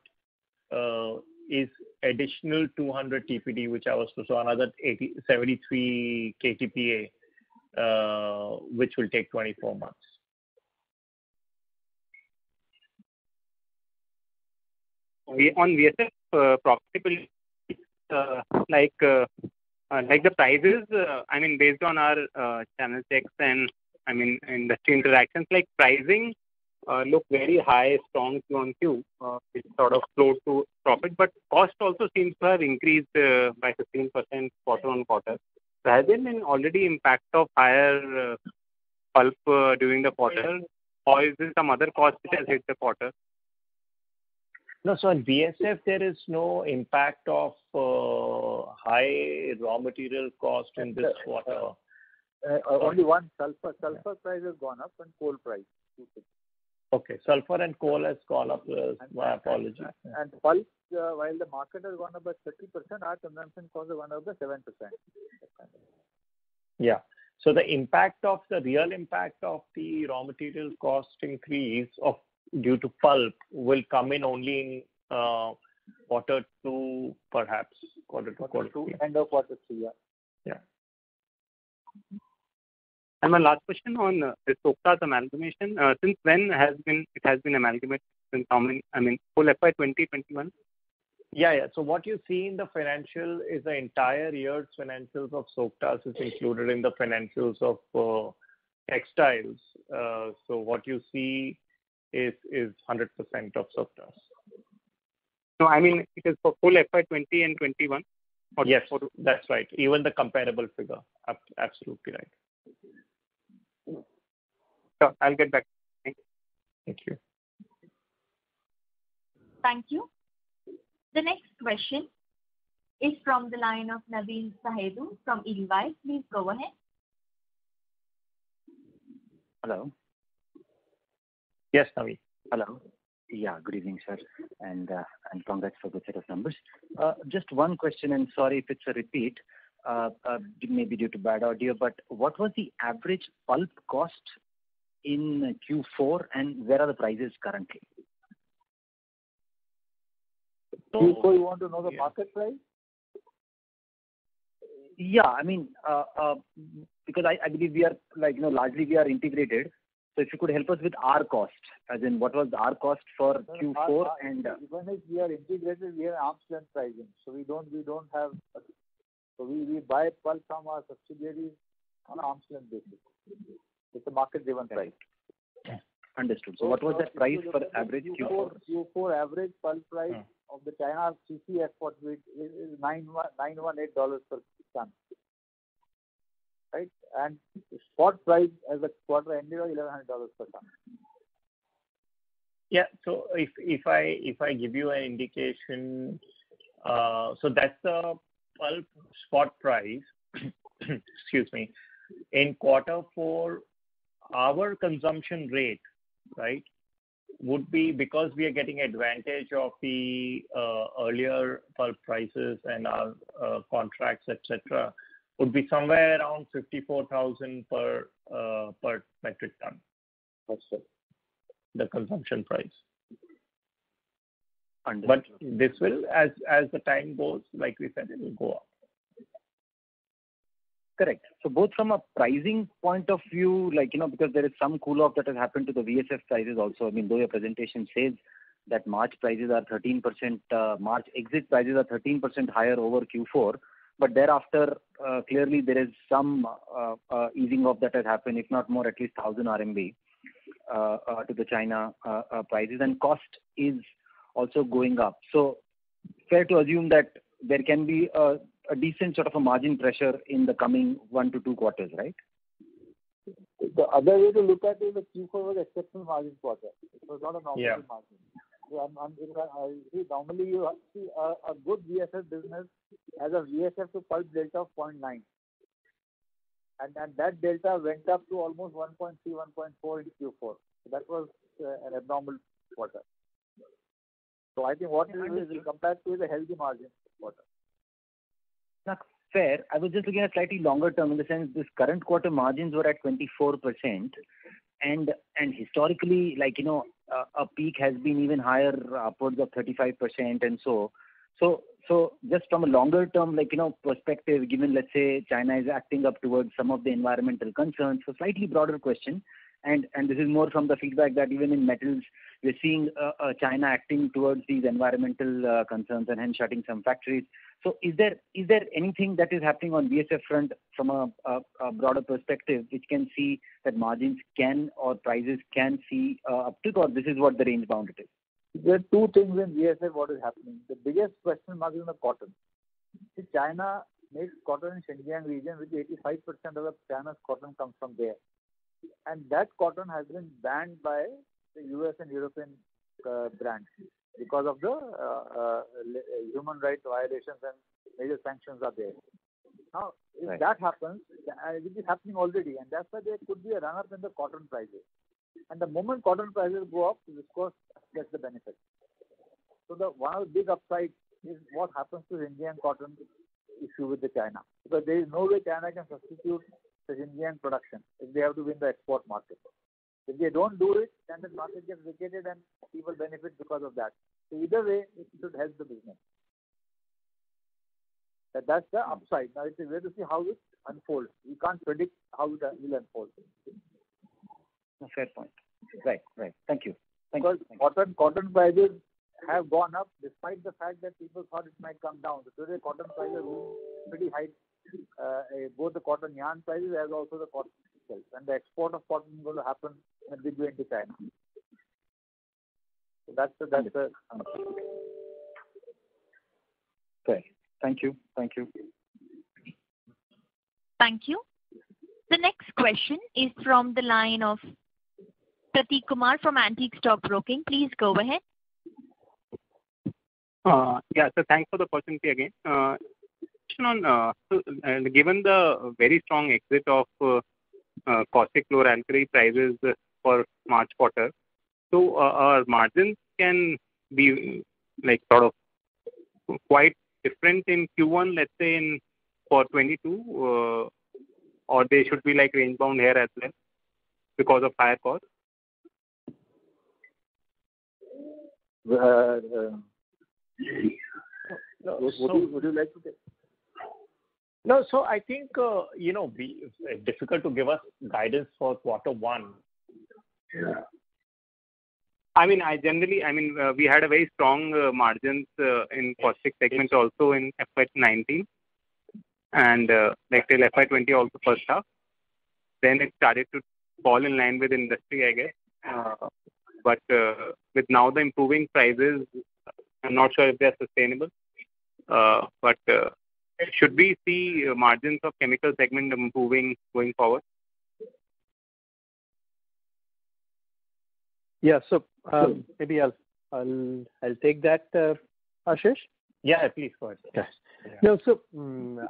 is additional 200 TPD, which was also another 73 KTPA, which will take 24 months. On VSF profitability, like the prices, based on our channel checks and industry interactions, like pricing look very high from Q on Q, it is sort of flow to profit, but cost also seems to have increased by 15% quarter-on-quarter. Has there been already impact of higher pulp during the quarter? Or is there some other cost which has hit the quarter? No, in VSF, there is no impact of high raw material cost in this quarter. Only one, sulfur price has gone up and coal price. Okay. Sulfur and coal has gone up. My apologies. Pulp, while the market has gone up by 30%, our transaction cost has gone up by 7%. Yeah. The real impact of the raw material cost increase due to pulp will come in only in quarter two, perhaps. Quarter two or three. Quarter two, end of Quarter three, yeah. Yeah. My last question on the Soktas amalgamation. Since when it has been amalgamated? Full FY 2021? Yeah. What you see in the financial is the entire year's financials of Soktas is included in the financials of textiles. What you see is 100% of Soktas. No, I mean it is for full FY 2020 and 2021. Yes, that's right. Even the comparable figure. Absolutely right. Okay. Sure. I'll get back. Thank you. Thank you. Thank you. The next question is from the line of Navin Sahadeo from Edelweiss. Please go ahead. Hello? Yes, Navin. Hello. Yeah, good evening, sir, and congrats for the good numbers. Just one question. Sorry if it's a repeat, it may be due to bad audio. What was the average pulp cost in Q4 and where are the prices currently? Q4, you want to know the market price? Yeah, because I believe largely we are integrated, if you could help us with our cost, as in what was our cost for Q4? Even if we are integrated, we are at arm's length pricing. We buy pulp from our subsidiary on arm's length basis. It's a market driven price. Understood. What was the price for average Q4? Q4 average pulp price of the China BHKP was $918 per ton. Right? Spot price as of quarter end was $1,100 per ton. Yeah. If I give you an indication, so that's the pulp spot price in quarter four, our consumption rate would be, because we are getting advantage of the earlier pulp prices and our contracts, et cetera, would be somewhere around 54,000 per metric ton. Okay. The consumption price. Understood. This will, as the time goes, like we said, it will go up? Correct. Both from a pricing point of view, because there is some cool off that has happened to the VSF prices also. I mean, though your presentation says that March exit prices are 13% higher over Q4. Thereafter, clearly there is some easing off that has happened, if not more, at least 1,000 RMB to the China prices and cost is also going up. Fair to assume that there can be a decent sort of a margin pressure in the coming one to two quarters, right? The other way to look at it is Q4 was exceptional margin quarter. It was not a normal margin. Yeah. Normally you see a good VSF business has a VSF to pulp delta of 0.9. That delta went up to almost 1.3, 1.4 in Q4. That was an abnormal quarter. I think what you will is compared to the healthy margin quarter. Fair. I was just looking at slightly longer term in the sense this current quarter margins were at 24% and historically a peak has been even higher upwards of 35%. Just from a longer term perspective, given, let's say, China is acting up towards some of the environmental concerns, so slightly broader question, and this is more from the feedback that even in metals we're seeing China acting towards these environmental concerns and hence shutting some factories. Is there anything that is happening on VSF front from a broader perspective which can see that margins can or prices can see up because this is what the range is. There are two things in VSF what is happening. The biggest question mark is on the cotton. See China makes cotton in Xinjiang region, which 85% of the China's cotton comes from there. That cotton has been banned by the U.S. and European brands because of the human rights violations and major sanctions are there. If that happens, it is happening already, and that's why there could be a run up in the cotton prices. The moment cotton prices go up, of course, gets the benefit. The one big upside is what happens to the Indian cotton issue with the China, because there is no way China can substitute the Indian production if they have to win the export market. If they don't do it, China's margin gets vacated and people benefit because of that. Either way, it will help the business. That's the upside. Now we have to see how it unfolds. We can't predict how it will unfold. That's a fair point. Right. Thank you. Cotton prices have gone up despite the fact that people thought it might come down because the cotton prices are pretty high, both the cotton yarn prices as also the cotton itself, and the export of cotton will happen midway in the time. That's the benefit. Okay. Thank you. Thank you. The next question is from the line of Satish Kumar from Antique Stock Broking. Please go ahead. Yeah. Thanks for the opportunity again. Given the very strong exit of caustic soda prices for March quarter, so our margins can be quite different in Q1, let's say, in for 2022 or they should be like range bound here as well because of higher cost? Well, Ashish, would you like to say? No, I think, difficult to give a guidance for quarter one. Yeah. I mean, generally, we had a very strong margins in caustic segment also in FY 2019 and let's say FY 2020 also first half. It started to fall in line with industry, I guess. With now the improving prices, I'm not sure if they're sustainable. Should we see margins of chemical segment improving going forward? Yeah. Maybe I'll take that, Ashish. Yeah, please go ahead. No.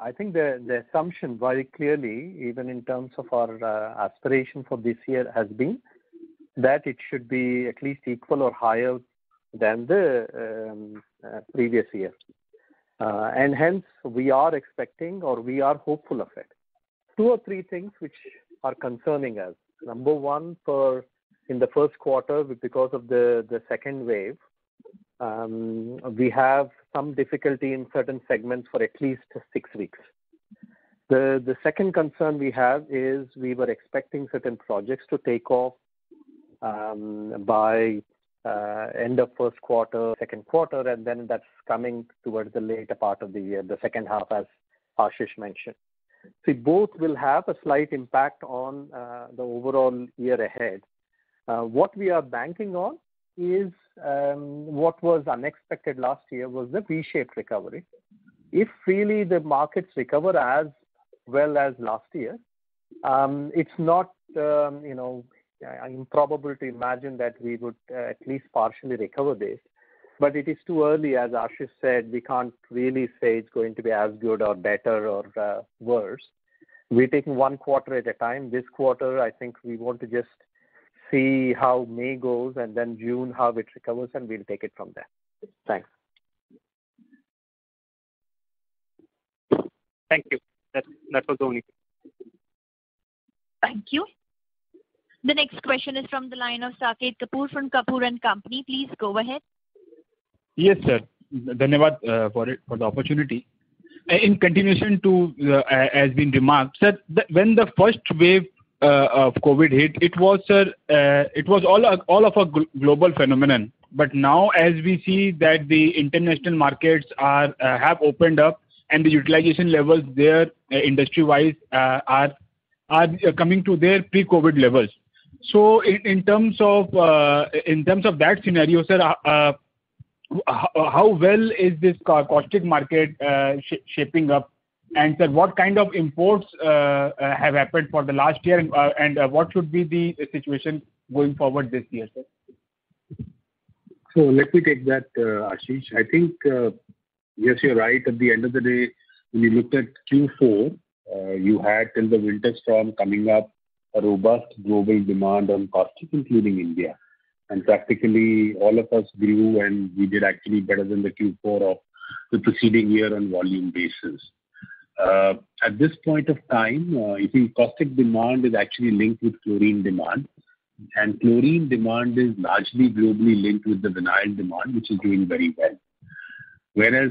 I think the assumption very clearly, even in terms of our aspiration for this year has been that it should be at least equal or higher than the previous year. Hence we are expecting or we are hopeful of it. Two or three things which are concerning us. Number one, in the first quarter, because of the second wave, we have some difficulty in certain segments for at least six weeks. The second concern we have is we were expecting certain projects to take off by end of first quarter, second quarter, and then that's coming towards the later part of the year, the second half, as Ashish mentioned. See, both will have a slight impact on the overall year ahead. What we are banking on is what was unexpected last year was the V-shaped recovery. If really the market recover as well as last year, I can probably imagine that we would at least partially recover this, but it is too early. As Ashish said, we can't really say it's going to be as good or better or worse. We're taking one quarter at a time. This quarter, I think we want to just see how May goes, and then June, how it recovers, and we'll take it from there. Thanks. Thank you. That was all. Thank you. The next question is from the line of Saket Kapoor from Kapoor & Company. Please go ahead. Yes, sir. Thank you for the opportunity. In continuation to as being remarked, sir, when the first wave of COVID hit, it was all of a global phenomenon. Now, as we see that the international markets have opened up and the utilization levels there industry-wise are coming to their pre-COVID levels. In terms of that scenario, sir, how well is this caustic market shaping up? Sir, what kind of imports have happened for the last year, and what would be the situation going forward this year, sir? Let me take that, Ashish. I think, yes, you are right. At the end of the day, when you look at Q4, you had in the winter storm coming up a robust global demand on caustic, including India. Practically all of us grew, and we did actually better than the Q4 of the preceding year on volume basis. At this point of time, I think caustic demand is actually linked with chlorine demand, and chlorine demand is largely globally linked with the vinyl demand, which is doing very well. Whereas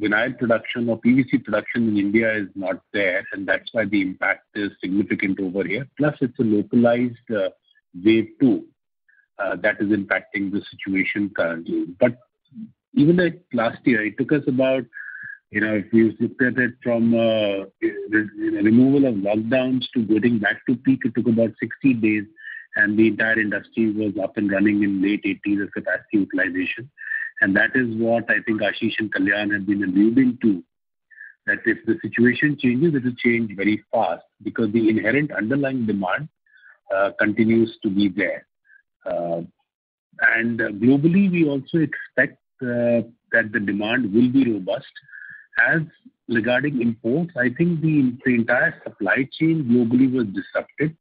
vinyl production or PVC production in India is not there, and that's why the impact is significant over here. It's a localized wave 2 that is impacting the situation currently. Even like last year, if you looked at it from a removal of lockdowns to getting back to peak, it took about 60 days, the entire industry was up and running in late 80s as a capacity utilization. That is what I think Ashish and Kalyan have been alluding to, that if the situation changes, it'll change very fast because the inherent underlying demand continues to be there. Globally, we also expect that the demand will be robust. As regarding imports, I think the entire supply chain globally was disrupted,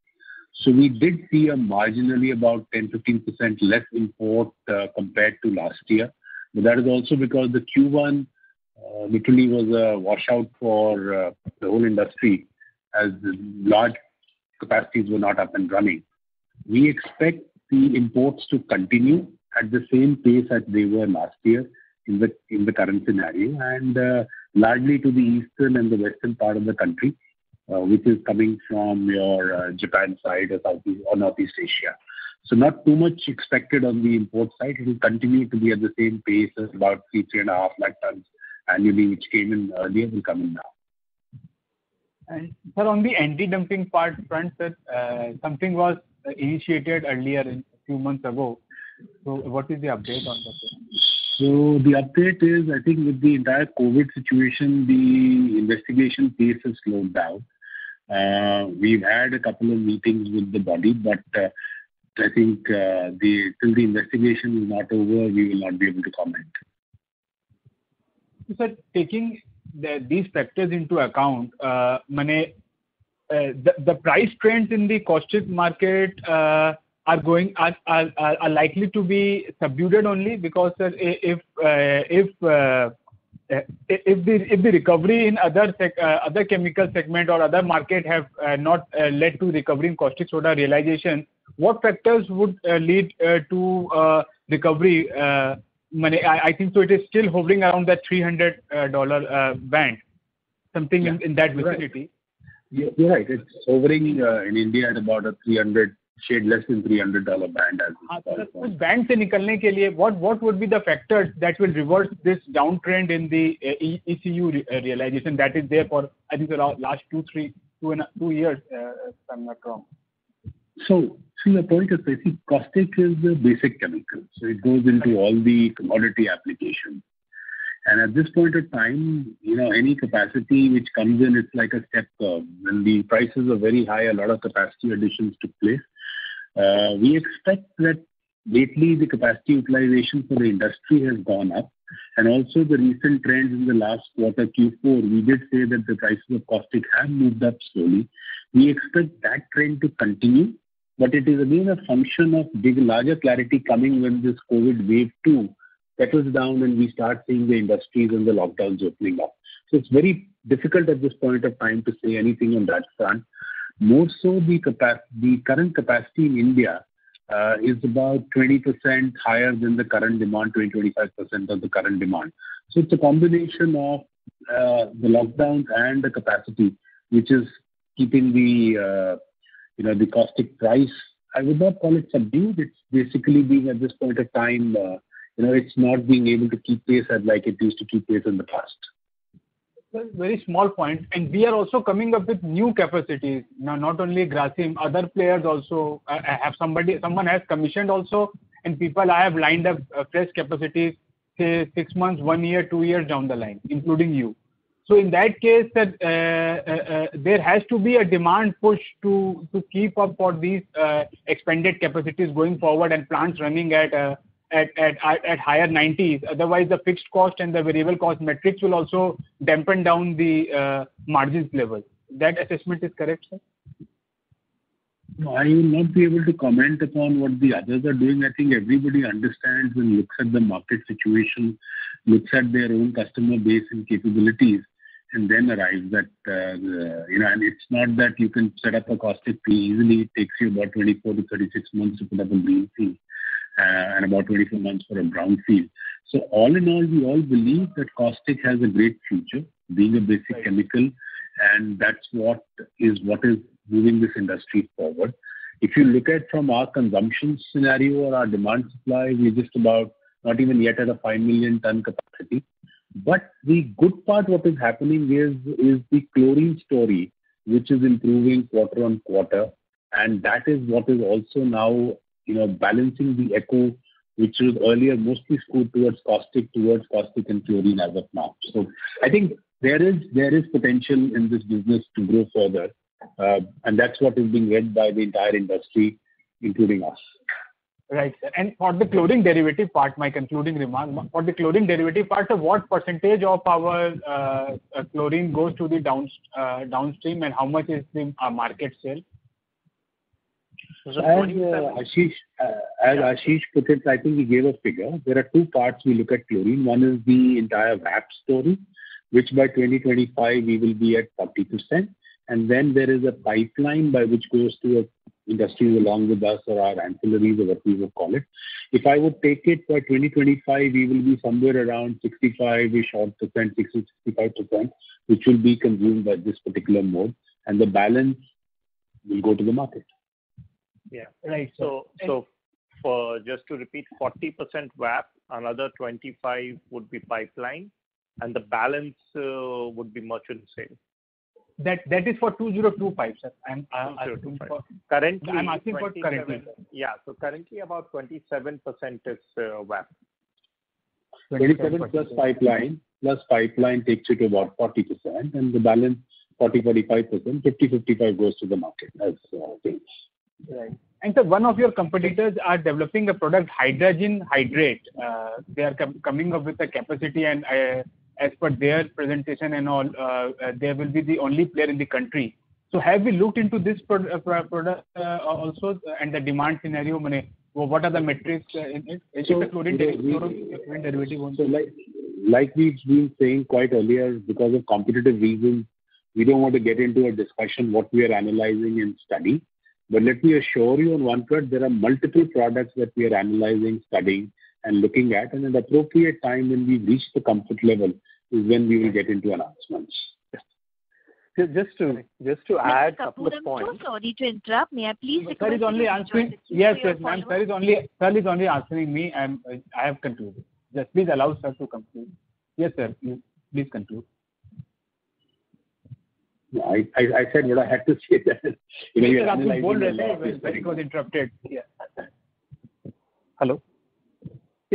so we did see a marginally about 10%-15% less import compared to last year. That is also because the Q1 literally was a washout for the whole industry as large capacities were not up and running. We expect the imports to continue at the same pace as they were last year in the current scenario and largely to the eastern and the western part of the country, which is coming from your Japan side or Northeast Asia. Not too much expected on the import side. It will continue to be at the same pace as about 3.5 million tons annually, which came in earlier and coming now. Sir, on the anti-dumping part front, something was initiated earlier a few months ago. What is the update on that front? The update is, I think with the entire COVID situation, the investigation pace has slowed down. We've had a couple of meetings with the body, I think till the investigation is not over, we will not be able to comment. Sir, taking these factors into account, the price trends in the caustic market are likely to be subdued only because, sir, if the recovery in other chemical segment or other market have not led to recovery in caustic soda realization, what factors would lead to recovery? I think so it is still hovering around that $300 band, something in that vicinity. Yeah. It is hovering in India at about a shade less than $300 band as of now. Sir, to get out of this band, what would be the factors that will reverse this downtrend in the ECU realization that is there for, I think, the last two years sometime now? To your point, I think caustic is a basic chemical, so it goes into all the commodity applications. At this point of time, any capacity which comes in, it's like a step curve. When the prices are very high, a lot of capacity additions took place. We expect that lately the capacity utilization for industry has gone up, and also the recent trends in the last quarter, Q4, we did say that the prices of caustic have moved up slowly. We expect that trend to continue, but it is again a function of the larger clarity coming when this COVID wave 2 settles down and we start seeing the industries and the lockdowns opening up. It's very difficult at this point of time to say anything on that front. More so, the current capacity in India is about 20% higher than the current demand, 20%, 25% of the current demand. It's a combination of the lockdowns and the capacity, which is keeping the caustic price, I would not call it subdued. It's basically being at this point of time, it's not being able to keep pace as like it used to keep pace in the past. Sir, very small point. We are also coming up with new capacity. Not only Grasim, other players also. Someone has commissioned also, and people have lined up fresh capacity. Say six months, one year, two years down the line, including you. In that case, there has to be a demand push to keep up for these expanded capacities going forward and plants running at higher 90s. Otherwise, the fixed cost and the variable cost metrics will also dampen down the margins level. That assessment is correct, sir? No, I will not be able to comment upon what the others are doing. I think everybody understands and looks at the market situation, looks at their own customer base and capabilities, and then arrives at It's not that you can set up a caustic easily. It takes you about 24 to 36 months to put up a greenfield and about 24 months for a brownfield. All in all, we all believe that caustic has a great future being a basic chemical, and that's what is moving this industry forward. If you look at from our consumption scenario, our demand supply, we're just about not even yet at a 5 million ton capacity. The good part what is happening is the chlorine story, which is improving quarter-on-quarter, that is what is also now balancing the ECU, which was earlier mostly skewed towards caustic and chlorine as of now. I think there is potential in this business to go further, that's what is being led by the entire industry, including us. Right. For the chlorine derivative part, my concluding remark. For the chlorine derivative part, what percentage of our chlorine goes to the downstream and how much is in our market sale? As Ashish, I think he gave a figure. There are two parts we look at chlorine. One is the entire VAP story, which by 2025 we will be at 40%. There is a pipeline by which goes to a industry along with us or our ancillaries or whatever you call it. If I would take it for 2025, we will be somewhere around 65-ish odd %, 60%, 65%, which will be consumed by this particular mode, and the balance will go to the market. Yeah. Just to repeat, 40% VAP, another 25 would be pipeline, and the balance would be much of the same. That is for 2025, sir? Currently. Yeah. currently about 27% is VAP. 27%+ pipeline takes you to about 40%, and the balance 40, 45%, 50/55 goes to the market as a base. Right. One of your competitors are developing a product hydrazine hydrate. They are coming up with a capacity and as per their presentation and all, they will be the only player in the country. Have you looked into this product also and the demand scenario? What are the metrics in it? Like we've been saying quite earlier, because of competitive reasons, we don't want to get into a discussion what we are analyzing and studying. Let me assure you on one front, there are multiple products that we are analyzing, studying, and looking at. At appropriate time when we reach the comfort level is when we will get into announcements. Just to add a point. Sir, sorry to interrupt. Sir is only answering me. I have control. Just please allow sir to conclude. Yes, sir. Please conclude. I said I had to say that. Please interrupt me. It's very good to interrupt me.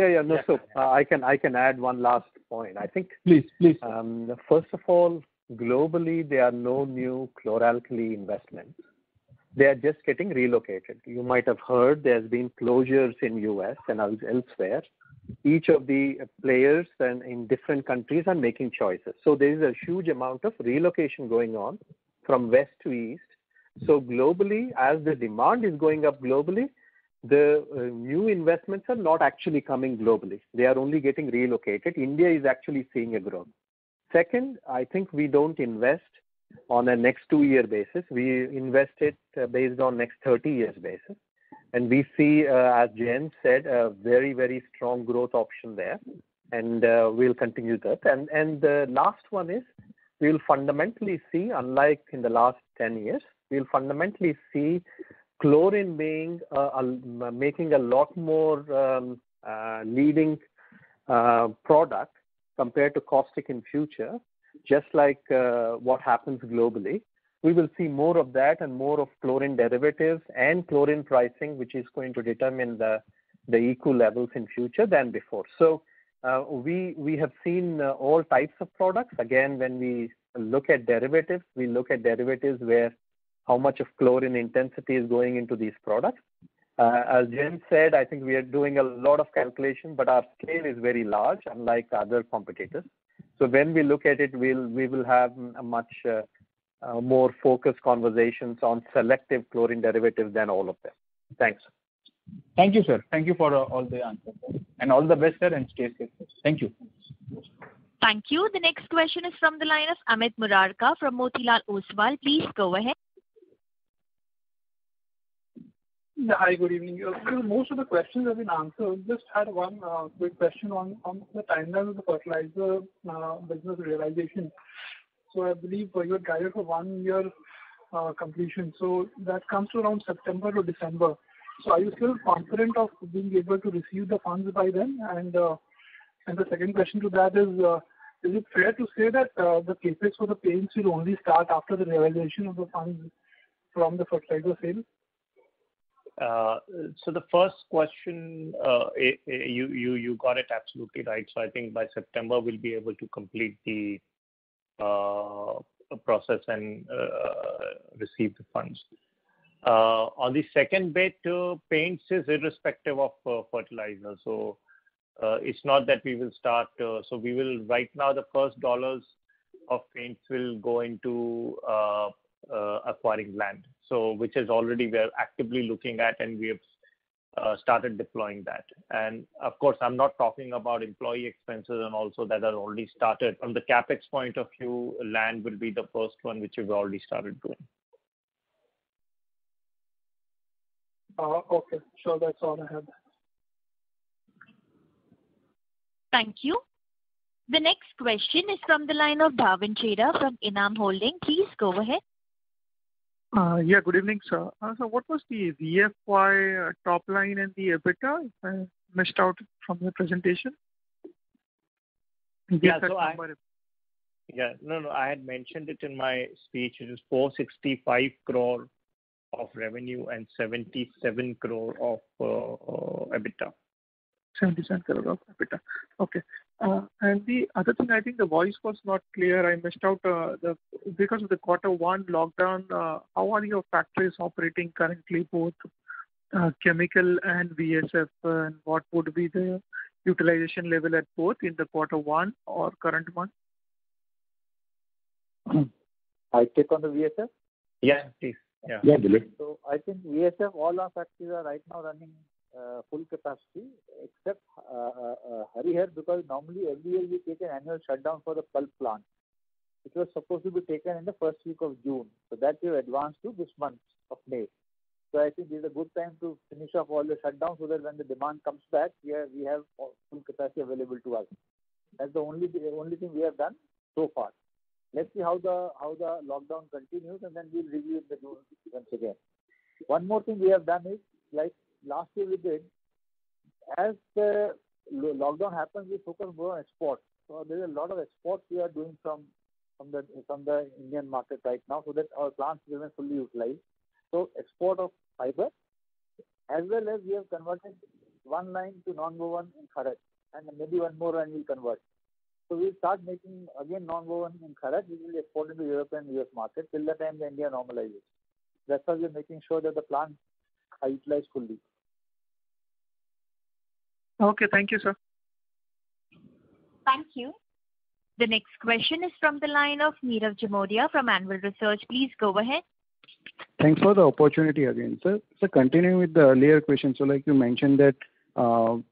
Hello? Yeah. I can add one last point, I think. Please. First of all, globally, there are no new chlor-alkali investments. They are just getting relocated. You might have heard there's been closures in U.S. and elsewhere. Each of the players in different countries are making choices. There's a huge amount of relocation going on from West to East. Globally, as the demand is going up globally, the new investments are not actually coming globally. They are only getting relocated. India is actually seeing a growth. Second, I think we don't invest on a next two year basis. We invest it based on next 30 years basis. We see, as Jayant said, a very strong growth option there, and we'll continue that. The last one is, we'll fundamentally see, unlike in the last 10 years, we'll fundamentally see chlorine making a lot more leading product compared to caustic in future, just like what happens globally. We will see more of that and more of chlorine derivatives and chlorine pricing, which is going to determine the ECU levels in future than before. We have seen all types of products. Again, when we look at derivatives, we look at derivatives where how much of chlorine intensity is going into these products. As Jayant said, I think we are doing a lot of calculation, but our scale is very large, unlike other competitors. When we look at it, we will have a much more focused conversations on selective chlorine derivatives than all of them. Thanks. Thank you, sir. Thank you for all the answers. All the best, sir, and stay safe. Thank you. Thank you. The next question is from the line of Amit Murarka from Motilal Oswal. Please go ahead. Yeah, hi, good evening. Most of the questions have been answered. Had one quick question on the timeline of the fertilizer business realization. I believe your guide for one year completion. That comes around September to December. Are you still confident of being able to receive the funds by then? The second question to that is it fair to say that the CapEx for the plants will only start after the realization of the funds from the fertilizer sale? The first question, you got it absolutely right. I think by September we'll be able to complete the process and receive the funds. On the second bit too, paints is irrespective of fertilizer. Right now the first dollars of paints will go into acquiring land. Which is already we are actively looking at, and we have started deploying that. Of course, I'm not talking about employee expenses and also that has already started. From the CapEx point of view, land will be the first one, which we've already started doing. Okay. Sure. That's all I have. Thank you. The next question is from the line of Bhavin Chheda from ENAM Holdings. Please go ahead. Yeah. Good evening, sir. What was the VSF top line and the EBITDA? I missed out from the presentation. Yeah. No, I had mentioned it in my speech. It is 465 crore of revenue and 77 crore of EBITDA. 77 crore of EBITDA. Okay. The other thing, I think the voice was not clear. I missed out because of the quarter one lockdown, how are your factories operating currently, both Chemical and VSF, and what would be the utilization level at both in the quarter one or current one? I check on the VSF? Yeah, please. I think VSF, all our factories are right now running full capacity except Harihar, because normally every year we take an annual shutdown for the pulp plant, which was supposed to be taken in the first week of June. That we advanced to this month of May. I think it's a good time to finish off all the shutdown so that when the demand comes back, we have full capacity available to us. That's the only thing we have done so far. Let's see how the lockdown continues, and then we'll review the normalcy once again. One more thing we have done is, like last year we did, as the lockdown happens, we focus more on export. There's a lot of exports we are doing from the Indian market right now so that our plants remain fully utilized. Export of fiber, as well as we have converted one line to non-woven in Kharach, and maybe one more line we convert. We start making again non-woven in Kharach. We will export in the Europe and U.S. market till the time the India normalizes. That's how we are making sure that the plant utilizes fully. Okay. Thank you, sir. Thank you. The next question is from the line of Niraj Jamodia from Ambit Capital. Please go ahead. Thanks for the opportunity again, sir. Sir, continuing with the earlier question, like you mentioned that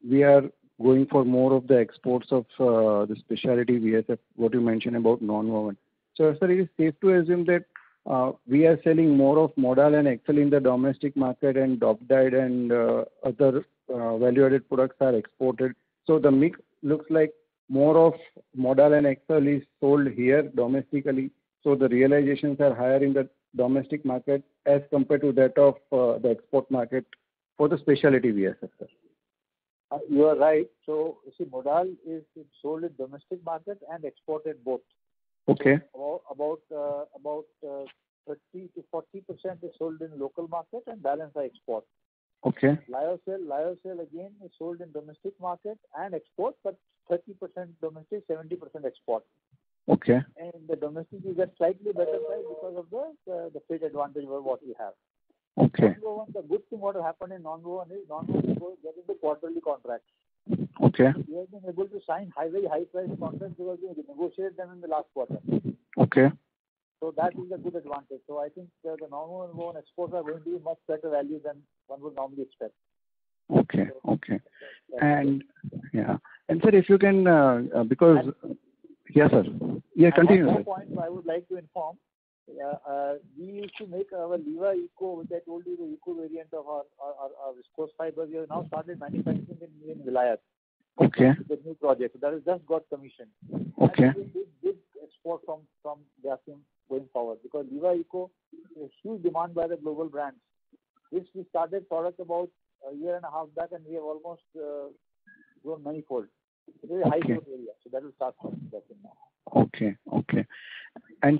we are going for more of the exports of the specialty VSF, what you mentioned about non-woven. Is it safe to assume that we are selling more of Modal and Excel in the domestic market and dope dyed and other value-added products are exported? The mix looks like more of Modal and Excel is sold here domestically, so the realizations are higher in the domestic market as compared to that of the export market for the specialty VSFs. You are right. See, Modal is sold in domestic market and exported both. Okay. About 30%-40% is sold in local market and balance are export. Okay. Lyocell, again, is sold in domestic market and export, but 30% domestic, 70% export. Okay. The domestic is at slightly better price because of the freight advantage what we have. Okay. Non-woven, the good thing what happened in non-woven is non-woven orders get into quarterly contracts. Okay. We have been able to sign highly high priced contracts because we negotiated them in the last quarter. Okay. That is a good advantage. I think the non-woven exports are going to be much better value than one would normally expect. Okay. Sir, if you can. Yes, sir. Continue. One point I would like to inform. We used to make our Livaeco, which I told you, the eco variant of our viscose fiber. We have now started manufacturing in Vilayat. Okay. With the new project that has just got commissioned. Okay. This is a big export from Grasim going forward, because Livaeco is huge demand by the global brands, which we started product about a year and a half back, and we have almost grown ninefold. Okay. That will start contributing now. Okay.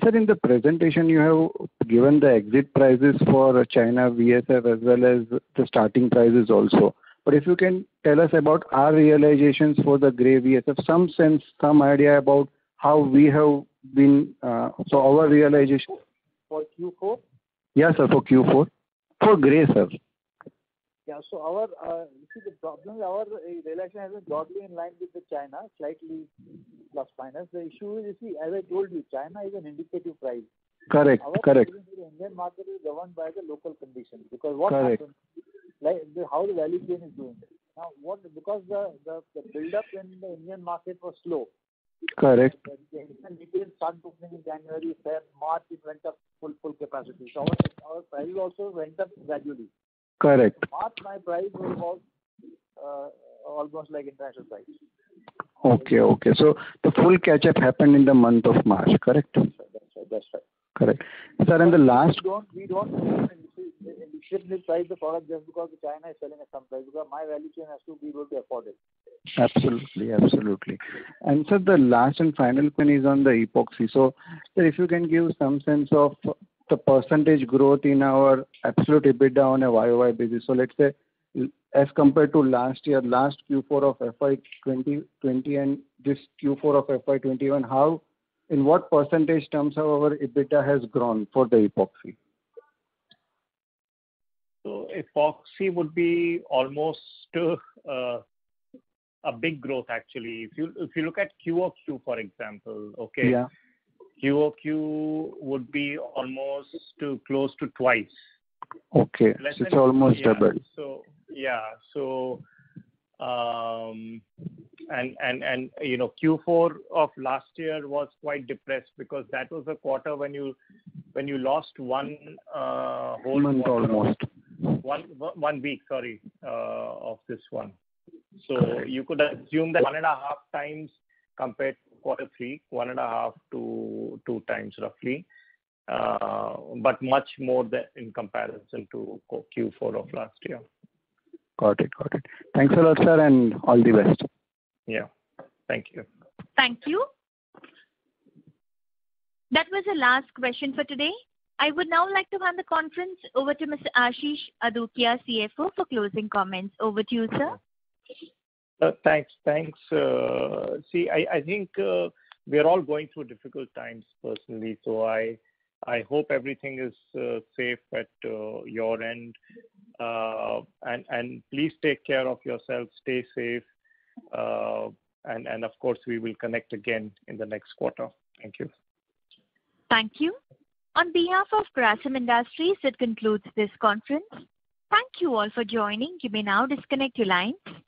Sir, in the presentation, you have given the exit prices for China VSF as well as the starting prices also. If you can tell us about our realizations for the gray VSF, some sense, some idea about how we have been. For Q4? Yes, sir, for Q4. For Grasim, sir. Yeah. Our realization is broadly in line with the China, slightly plus minus. The issue is, as I told you, China is an indicative price. Correct. Our pricing in the Indian market is driven by the local condition. Correct. How the value chain is doing. The buildup in the Indian market was slow. Correct. The Indian market didn't start moving in January, March it went up full capacity. Our price also went up gradually. Correct. March, my price was almost like a China price. Okay. The full catch-up happened in the month of March, correct? Yes, sir. Correct. Sir, and the last one- We don't change indicative price of product just because China is selling at some price. My realization has to be real according. Absolutely. Sir, the last and final query is on the epoxy. If you can give some sense of the percentage growth in our absolute EBITDA on a YoY basis. Let's say as compared to last year, last Q4 of FY 2020 and this Q4 of FY 2021, in what % terms our EBITDA has grown for the epoxy? Epoxy would be almost a big growth actually. If you look at QoQ, for example, okay? Yeah. QoQ would be almost close to twice. Okay. It's almost double. Yeah. Q4 of last year was quite depressed because that was a quarter when you lost. Month almost. One week, sorry, of this one. You could assume that one and a half times compared to quarter three, one and a half to two times roughly, but much more in comparison to Q4 of last year. Got it. Thanks a lot, sir, and all the best. Yeah. Thank you. Thank you. That was the last question for today. I would now like to hand the conference over to Mr. Ashish Adukia, CFO, for closing comments. Over to you, sir. Thanks. I think we're all going through difficult times personally, so I hope everything is safe at your end. Please take care of yourself, stay safe, and of course, we will connect again in the next quarter. Thank you. Thank you. On behalf of Grasim Industries, this concludes this conference. Thank you all for joining. You may now disconnect your lines.